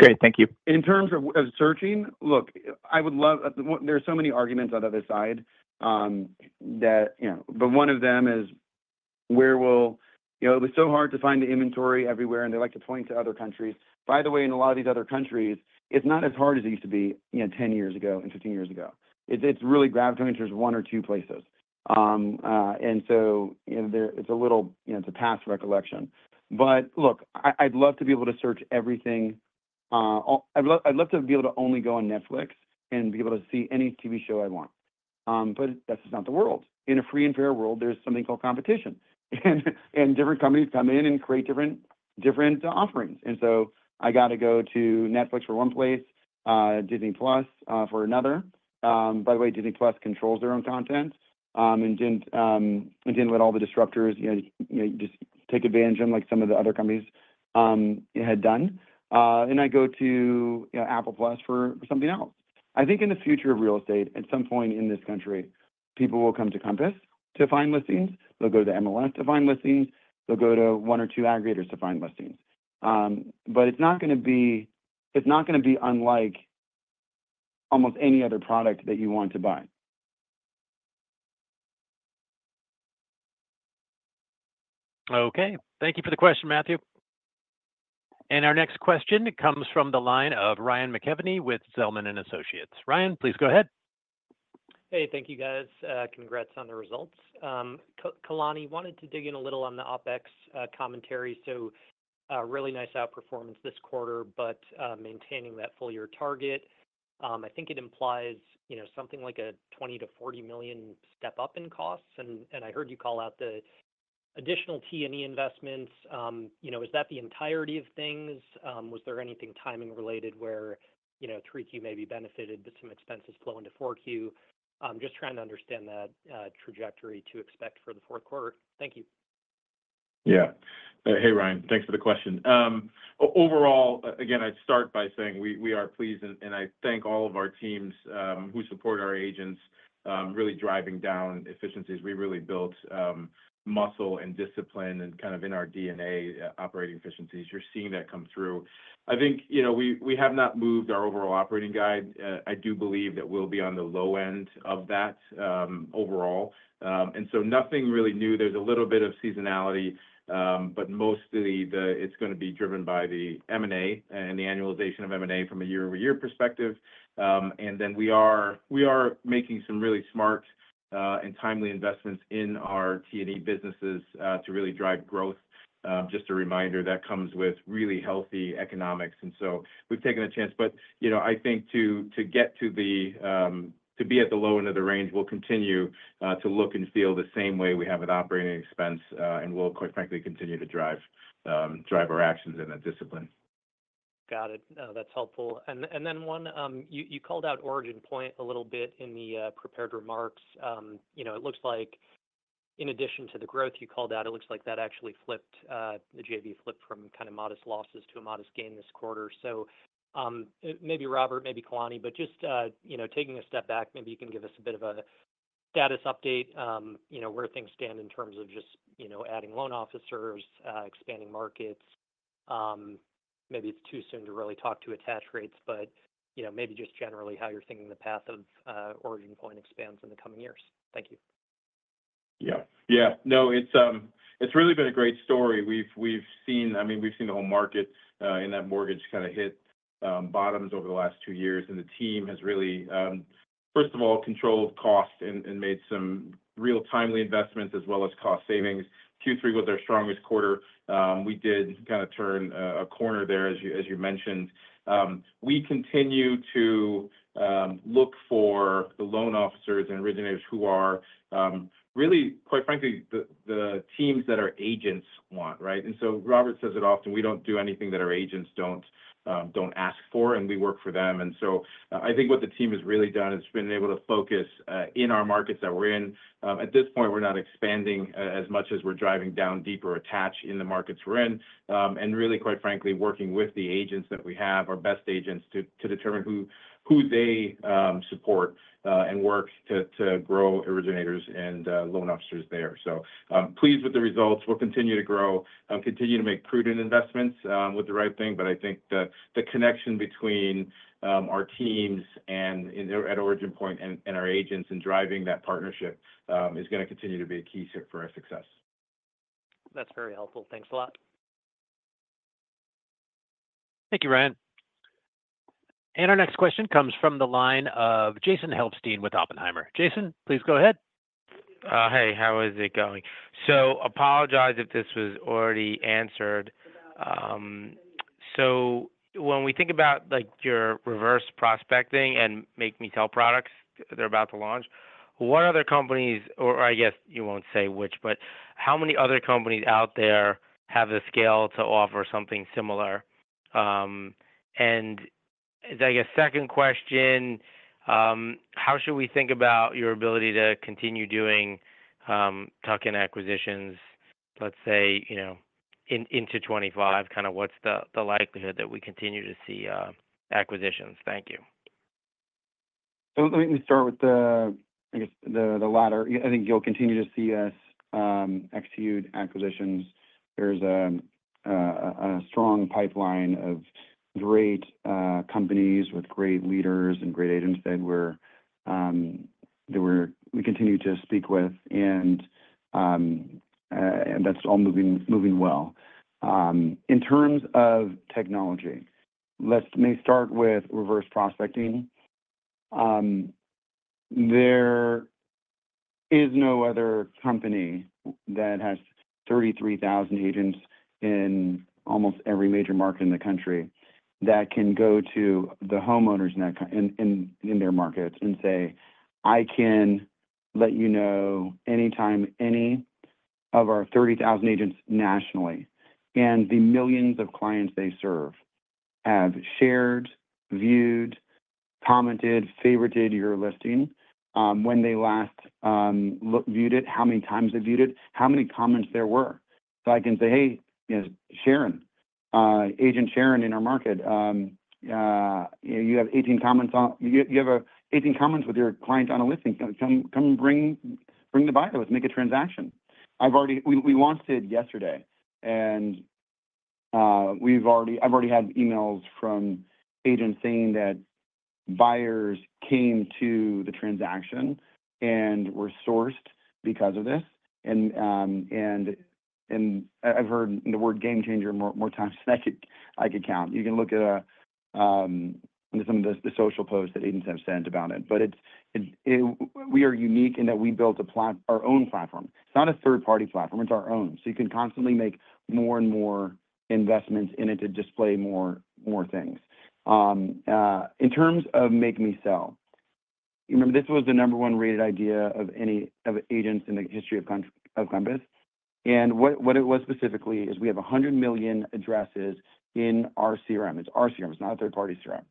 Great. Thank you. In terms of searching, look, I would love. There are so many arguments on the other side, but one of them is where it was so hard to find the inventory everywhere, and they like to point to other countries. By the way, in a lot of these other countries, it's not as hard as it used to be 10 years ago and 15 years ago. It's really gravitated towards one or two places, and so it's a little. It's a past recollection, but look, I'd love to be able to search everything. I'd love to be able to only go on Netflix and be able to see any TV show I want, but that's just not the world. In a free and fair world, there's something called competition, and different companies come in and create different offerings. I got to go to Netflix for one place, Disney+ for another. By the way, Disney+ controls their own content and didn't let all the disruptors just take advantage of them like some of the other companies had done. I go to Apple+ for something else. I think in the future of real estate, at some point in this country, people will come to Compass to find listings. They'll go to MLS to find listings. They'll go to one or two aggregators to find listings. But it's not going to be unlike almost any other product that you want to buy. Okay. Thank you for the question, Matthew. Our next question comes from the line of Ryan McKeveny with Zelman & Associates. Ryan, please go ahead. Hey, thank you, guys. Congrats on the results. Kalani wanted to dig in a little on the OpEx commentary. So really nice outperformance this quarter, but maintaining that full-year target. I think it implies something like a $20 million-$40 million step-up in costs. And I heard you call out the additional T&E investments. Is that the entirety of things? Was there anything timing-related where 3Q maybe benefited, but some expenses flow into 4Q? Just trying to understand that trajectory to expect for the fourth quarter. Thank you. Yeah. Hey, Ryan. Thanks for the question. Overall, again, I'd start by saying we are pleased, and I thank all of our teams who support our agents really driving down efficiencies. We really built muscle and discipline and kind of in our DNA operating efficiencies. You're seeing that come through. I think we have not moved our overall operating guide. I do believe that we'll be on the low end of that overall, and so nothing really new. There's a little bit of seasonality, but mostly it's going to be driven by the M&A and the annualization of M&A from a year-over-year perspective. We are making some really smart and timely investments in our T&E businesses to really drive growth. Just a reminder, that comes with really healthy economics. We've taken a chance. I think to get to the be at the low end of the range, we'll continue to look and feel the same way we have with operating expense, and we'll, quite frankly, continue to drive our actions and that discipline. Got it. That's helpful. One, you called out OriginPoint a little bit in the prepared remarks. It looks like in addition to the growth you called out, it looks like that actually flipped the JV flip from kind of modest losses to a modest gain this quarter. So maybe Robert, maybe Kalani, but just taking a step back, maybe you can give us a bit of a status update where things stand in terms of just adding loan officers, expanding markets. Maybe it's too soon to really talk to attach rates, but maybe just generally how you're thinking the path of OriginPoint expands in the coming years. Thank you. Yeah. Yeah. No, it's really been a great story. I mean, we've seen the whole market in that mortgage kind of hit bottoms over the last two years. And the team has really, first of all, controlled costs and made some real timely investments as well as cost savings. Q3 was our strongest quarter. We did kind of turn a corner there, as you mentioned. We continue to look for the loan officers and originators who are really, quite frankly, the teams that our agents want, right? And so Robert says it often, we don't do anything that our agents don't ask for, and we work for them. And so I think what the team has really done is been able to focus in our markets that we're in. At this point, we're not expanding as much as we're driving down deeper attach in the markets we're in. And really, quite frankly, working with the agents that we have, our best agents, to determine who they support and work to grow originators and loan officers there. So pleased with the results. We'll continue to grow and continue to make prudent investments with the right thing. But I think the connection between our teams at OriginPoint and our agents and driving that partnership is going to continue to be a key for our success. That's very helpful. Thanks a lot. Thank you, Ryan. And our next question comes from the line of Jason Helfstein with Oppenheimer. Jason, please go ahead. Hey, how is it going? So apologize if this was already answered. So when we think about your Reverse Prospecting and Make Me Sell products they're about to launch, what other companies or I guess you won't say which, but how many other companies out there have the scale to offer something similar? And I guess second question, how should we think about your ability to continue doing tuck-in acquisitions, let's say, into 2025? Kind of what's the likelihood that we continue to see acquisitions? Thank you. Let me start with, I guess, the latter. I think you'll continue to see us execute acquisitions. There's a strong pipeline of great companies with great leaders and great agents that we continue to speak with. And that's all moving well. In terms of technology, let me start with Reverse Prospecting. There is no other company that has 33,000 agents in almost every major market in the country that can go to the homeowners in their markets and say, "I can let you know anytime, any of our 30,000 agents nationally." And the millions of clients they serve have shared, viewed, commented, favorited your listing when they last viewed it, how many times they viewed it, how many comments there were. So I can say, "Hey, Sharon, Agent Sharon in our market, you have 18 comments with your client on a listing. Come bring the buyer with us. Make a transaction." We launched it yesterday. And I've already had emails from agents saying that buyers came to the transaction and were sourced because of this. And I've heard the word game changer more times than I could count. You can look at some of the social posts that agents have sent about it. But we are unique in that we built our own platform. It's not a third-party platform. It's our own. So you can constantly make more and more investments in it to display more things. In terms of Make Me Sell, you remember this was the number one rated idea of agents in the history of Compass. And what it was specifically is we have 100 million addresses in our CRM. It's our CRM. It's not a third-party CRM.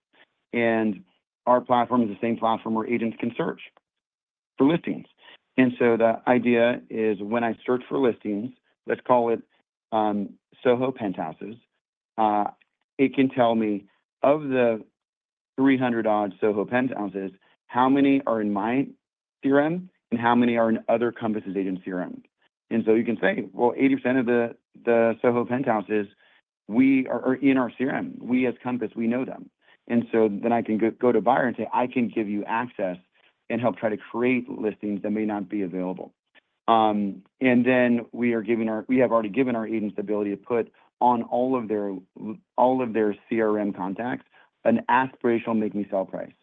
And our platform is the same platform where agents can search for listings. The idea is when I search for listings, let's call it Soho Penthouses. It can tell me of the 300-odd Soho Penthouses how many are in my CRM and how many are in other Compass's agent CRMs. You can say, "Well, 80% of the Soho Penthouses, we are in our CRM. We as Compass, we know them." Then I can go to buyer and say, "I can give you access and help try to create listings that may not be available." We have already given our agents the ability to put on all of their CRM contacts an aspirational make-me-sell price.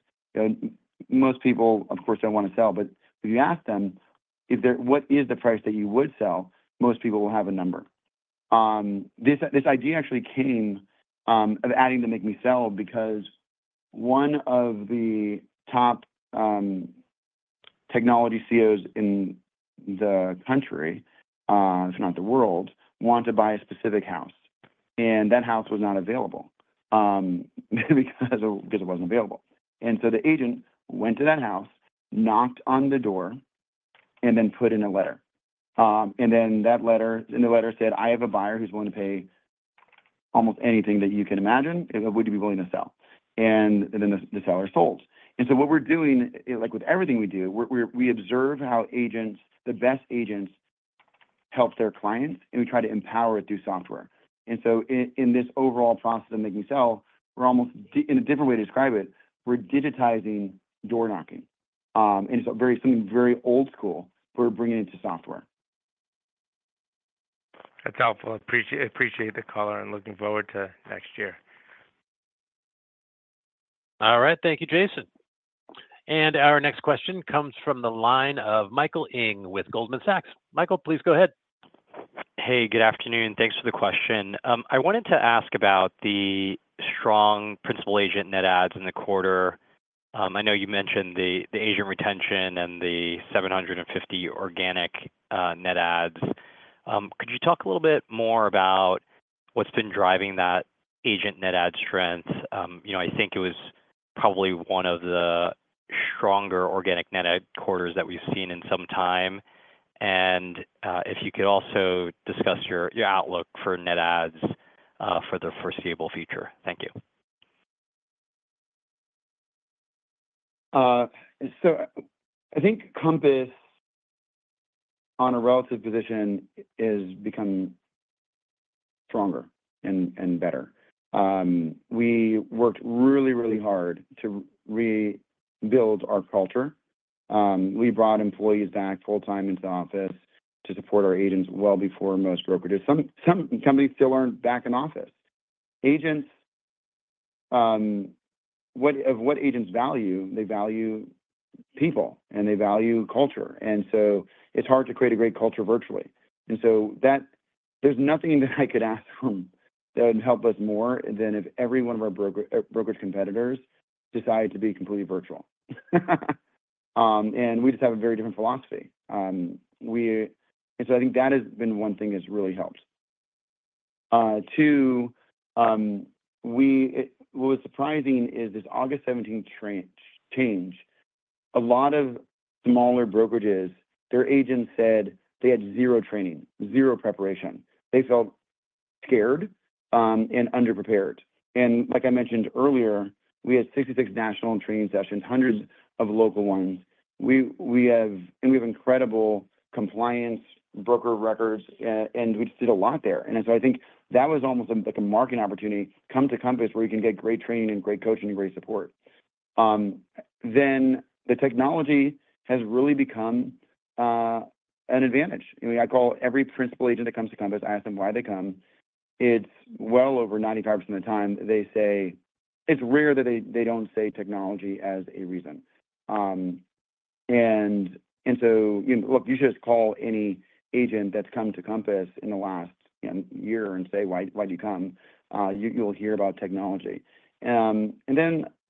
Most people, of course, don't want to sell, but if you ask them, "What is the price that you would sell?" Most people will have a number. This idea actually came of adding the Make Me Sell because one of the top technology CEOs in the country, if not the world, wanted to buy a specific house, and that house was not available because it wasn't available, so the agent went to that house, knocked on the door, and then put in a letter, and then in the letter said, "I have a buyer who's willing to pay almost anything that you can imagine. Would you be willing to sell?", and then the seller sold, so what we're doing with everything we do, we observe how agents, the best agents, help their clients, and we try to empower it through software, so in this overall process of Make Me Sell, we're almost in a different way to describe it, we're digitizing door knocking, and it's something very old school, but we're bringing it to software. That's helpful. Appreciate the color and looking forward to next year. All right. Thank you, Jason. And our next question comes from the line of Michael Ng with Goldman Sachs. Michael, please go ahead. Hey, good afternoon. Thanks for the question. I wanted to ask about the strong principal agent net adds in the quarter. I know you mentioned the agent retention and the 750 organic net adds. Could you talk a little bit more about what's been driving that agent net add strength? I think it was probably one of the stronger organic net add quarters that we've seen in some time. And if you could also discuss your outlook for net adds for the foreseeable future. Thank you. So I think Compass, on a relative position, has become stronger and better. We worked really, really hard to rebuild our culture. We brought employees back full-time into the office to support our agents well before most brokerages. Some companies still aren't back in office. Agents, of what agents value, they value people, and they value culture. And so it's hard to create a great culture virtually. And so there's nothing that I could ask them that would help us more than if every one of our brokerage competitors decided to be completely virtual. And we just have a very different philosophy. And so I think that has been one thing that's really helped. Two, what was surprising is this August 17 change. A lot of smaller brokerages, their agents said they had zero training, zero preparation. They felt scared and underprepared. And like I mentioned earlier, we had 66 national training sessions, hundreds of local ones. And we have incredible compliance broker records, and we just did a lot there. I think that was almost like a marketing opportunity, come to Compass, where you can get great training and great coaching and great support. The technology has really become an advantage. I mean, I call every principal agent that comes to Compass. I ask them why they come. It's well over 95% of the time they say it's rare that they don't say technology as a reason. Look, you should just call any agent that's come to Compass in the last year and say, "Why did you come?" You'll hear about technology.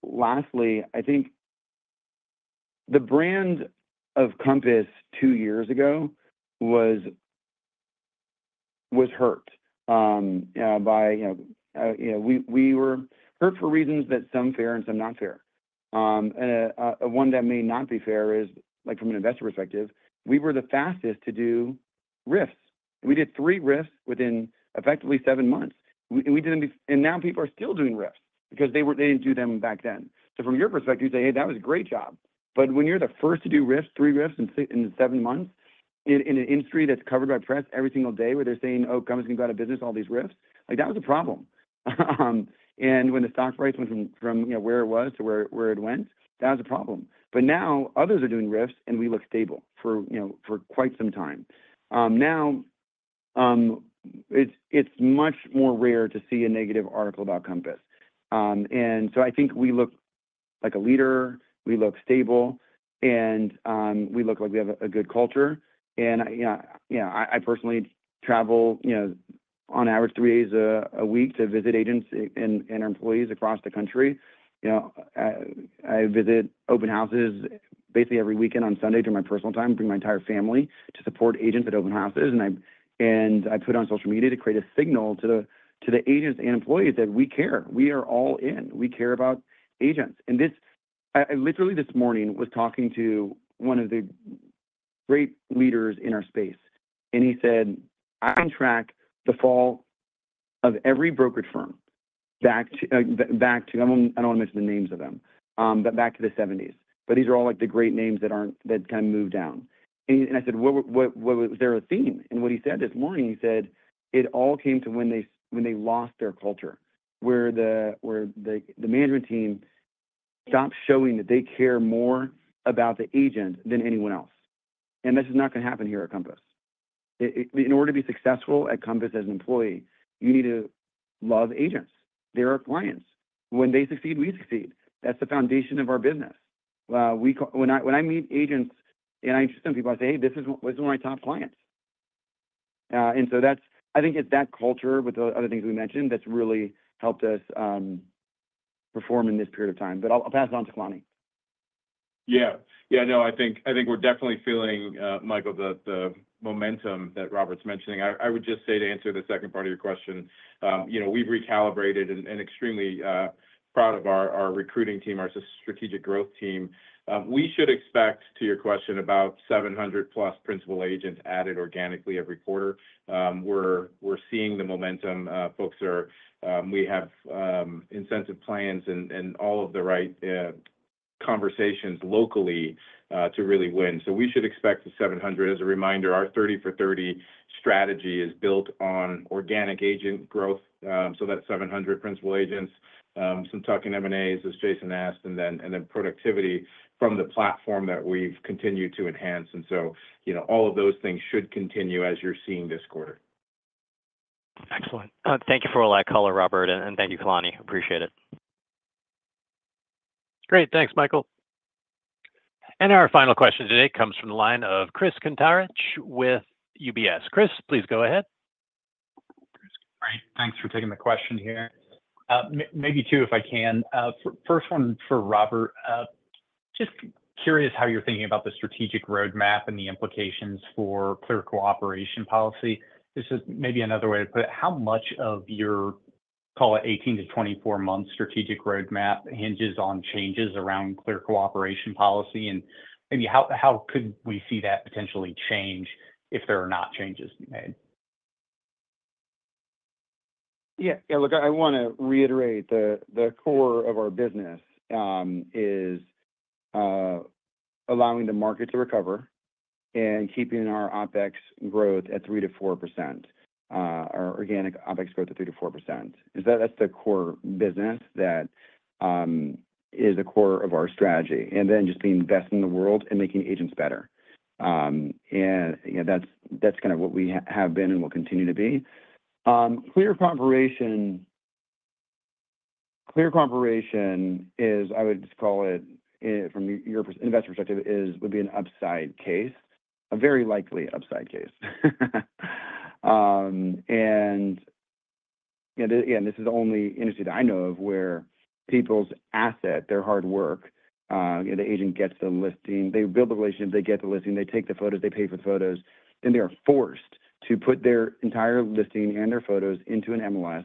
Lastly, I think the brand of Compass two years ago was hurt. We were hurt for reasons that some fair and some not fair. One that may not be fair is from an investor perspective, we were the fastest to do RIFs. We did three RIFs within effectively seven months. And now people are still doing RIFs because they didn't do them back then. So from your perspective, you say, "Hey, that was a great job." But when you're the first to do three RIFs in seven months in an industry that's covered by press every single day where they're saying, "Oh, Compass can go out of business, all these RIFs," that was a problem. And when the stock price went from where it was to where it went, that was a problem. But now others are doing RIFs, and we look stable for quite some time. Now it's much more rare to see a negative article about Compass. And so I think we look like a leader. We look stable. And we look like we have a good culture. Yeah, I personally travel on average three days a week to visit agents and employees across the country. I visit open houses basically every weekend on Sunday during my personal time, bring my entire family to support agents at open houses. I put it on social media to create a signal to the agents and employees that we care. We are all in. We care about agents. Literally this morning, I was talking to one of the great leaders in our space. He said, "I can track the fall of every brokerage firm back to, I don't want to mention the names of them, but back to the 1970s." These are all the great names that kind of moved down. And I said, "Was there a theme?" And what he said this morning, he said, "It all came to when they lost their culture, where the management team stopped showing that they care more about the agent than anyone else." And that's just not going to happen here at Compass. In order to be successful at Compass as an employee, you need to love agents. They're our clients. When they succeed, we succeed. That's the foundation of our business. When I meet agents and I introduce them to people, I say, "Hey, this is one of my top clients." And so I think it's that culture with the other things we mentioned that's really helped us perform in this period of time. But I'll pass it on to Kalani. Yeah. Yeah. No, I think we're definitely feeling, Michael, the momentum that Robert's mentioning. I would just say to answer the second part of your question, we've recalibrated and are extremely proud of our recruiting team, our strategic growth team. We should expect, to your question, about 700+ principal agents added organically every quarter. We're seeing the momentum. We have incentive plans and all of the right conversations locally to really win. So we should expect the 700. As a reminder, our 30-for-30 strategy is built on organic agent growth. So that's 700 principal agents, some tuck-in M&As, as Jason asked, and then productivity from the platform that we've continued to enhance. And so all of those things should continue as you're seeing this quarter. Excellent. Thank you for all that color, Robert. And thank you, Kalani. Appreciate it. Great. Thanks, Michael. And our final question today comes from the line of Chris Kuntarich with UBS. Chris, please go ahead. Great. Thanks for taking the question here. Maybe two, if I can. First one for Robert. Just curious how you're thinking about the strategic roadmap and the implications for Clear Cooperation Policy. This is maybe another way to put it. How much of your, call it, 18-24-month strategic roadmap hinges on changes around Clear Cooperation Policy? And maybe how could we see that potentially change if there are not changes made? Yeah. Yeah. Look, I want to reiterate the core of our business is allowing the market to recover and keeping our OpEx growth at 3%-4%, our organic OpEx growth at 3%-4%. That's the core business that is the core of our strategy. And then just being best in the world and making agents better. And that's kind of what we have been and will continue to be. Clear Cooperation is, I would just call it, from your investor perspective, would be an upside case, a very likely upside case. And again, this is the only industry that I know of where people's asset, their hard work, the agent gets the listing. They build the relationship. They get the listing. They take the photos. They pay for the photos. Then they are forced to put their entire listing and their photos into an MLS.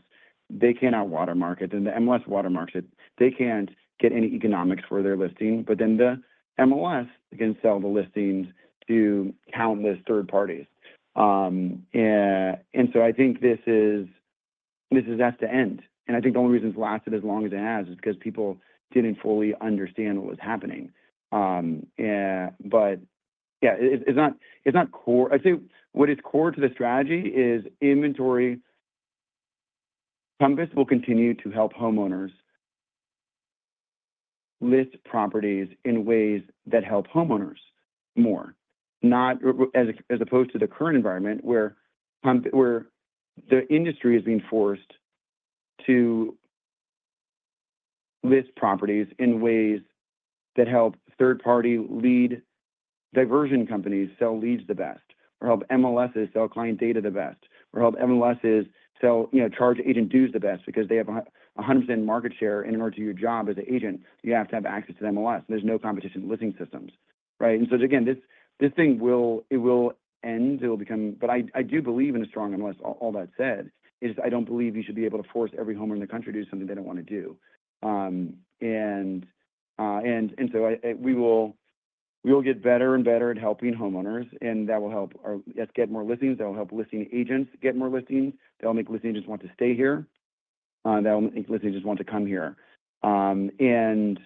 They cannot watermark it. Then the MLS watermarks it. They can't get any economics for their listing. But then the MLS can sell the listings to countless third parties. And so I think this is at the end. And I think the only reason it's lasted as long as it has is because people didn't fully understand what was happening. But yeah, it's not core. I'd say what is core to the strategy is inventory. Compass will continue to help homeowners list properties in ways that help homeowners more, as opposed to the current environment where the industry is being forced to list properties in ways that help third-party lead diversion companies sell leads the best, or help MLSs sell client data the best, or help MLSs charge agent dues the best because they have 100% market share. In order to do your job as an agent, you have to have access to the MLS. There's no competition in listing systems. Right? And so again, this thing will end. But I do believe in a strong MLS. All that said, I don't believe you should be able to force every homeowner in the country to do something they don't want to do. And so we will get better and better at helping homeowners. And that will help us get more listings. That will help listing agents get more listings. That will make listing agents want to stay here. That will make listing agents want to come here. And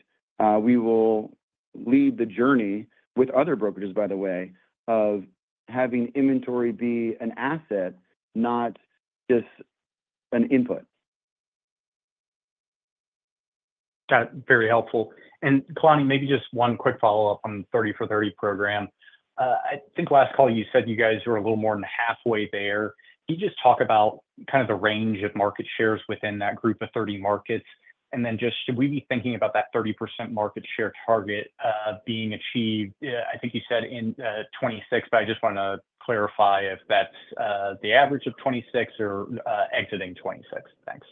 we will lead the journey with other brokerages, by the way, of having inventory be an asset, not just an input. Got it. Very helpful. And Kalani, maybe just one quick follow-up on the 30-for-30 program. I think last call, you said you guys were a little more than halfway there. Can you just talk about kind of the range of market shares within that group of 30 markets? And then just should we be thinking about that 30% market share target being achieved? I think you said in 2026, but I just want to clarify if that's the average of 2026 or exiting 2026. Thanks.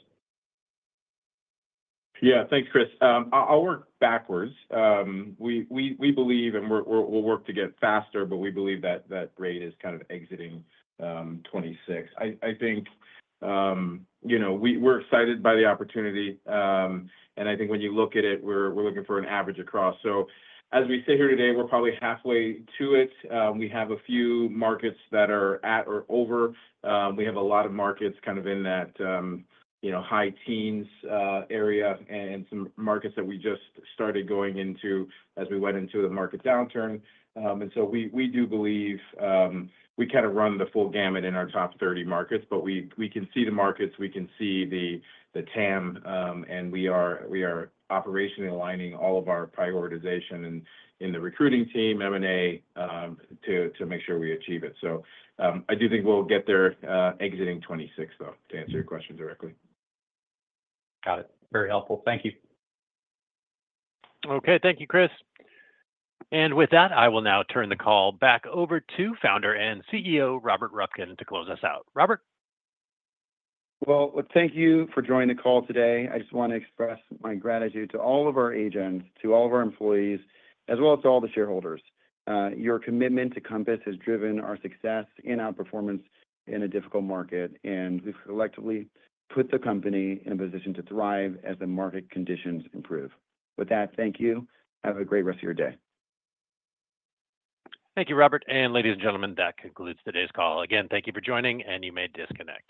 Yeah. Thanks, Chris. I'll work backwards. We believe, and we'll work to get faster, but we believe that that rate is kind of exiting 2026. I think we're excited by the opportunity, and I think when you look at it, we're looking for an average across, so as we sit here today, we're probably halfway to it. We have a few markets that are at or over. We have a lot of markets kind of in that high teens area, and some markets that we just started going into as we went into the market downturn, and so we do believe we kind of run the full gamut in our top 30 markets, but we can see the markets. We can see the TAM. And we are operationally aligning all of our prioritization in the recruiting team, M&A, to make sure we achieve it. So I do think we'll get there exiting 2026, though, to answer your question directly. Got it. Very helpful. Thank you. Okay. Thank you, Chris. And with that, I will now turn the call back over to Founder and CEO Robert Reffkin to close us out. Robert? Well, thank you for joining the call today. I just want to express my gratitude to all of our agents, to all of our employees, as well as to all the shareholders. Your commitment to Compass has driven our success and our performance in a difficult market. And we've collectively put the company in a position to thrive as the market conditions improve. With that, thank you. Have a great rest of your day. Thank you, Robert. And ladies and gentlemen, that concludes today's call. Again, thank you for joining, and you may disconnect.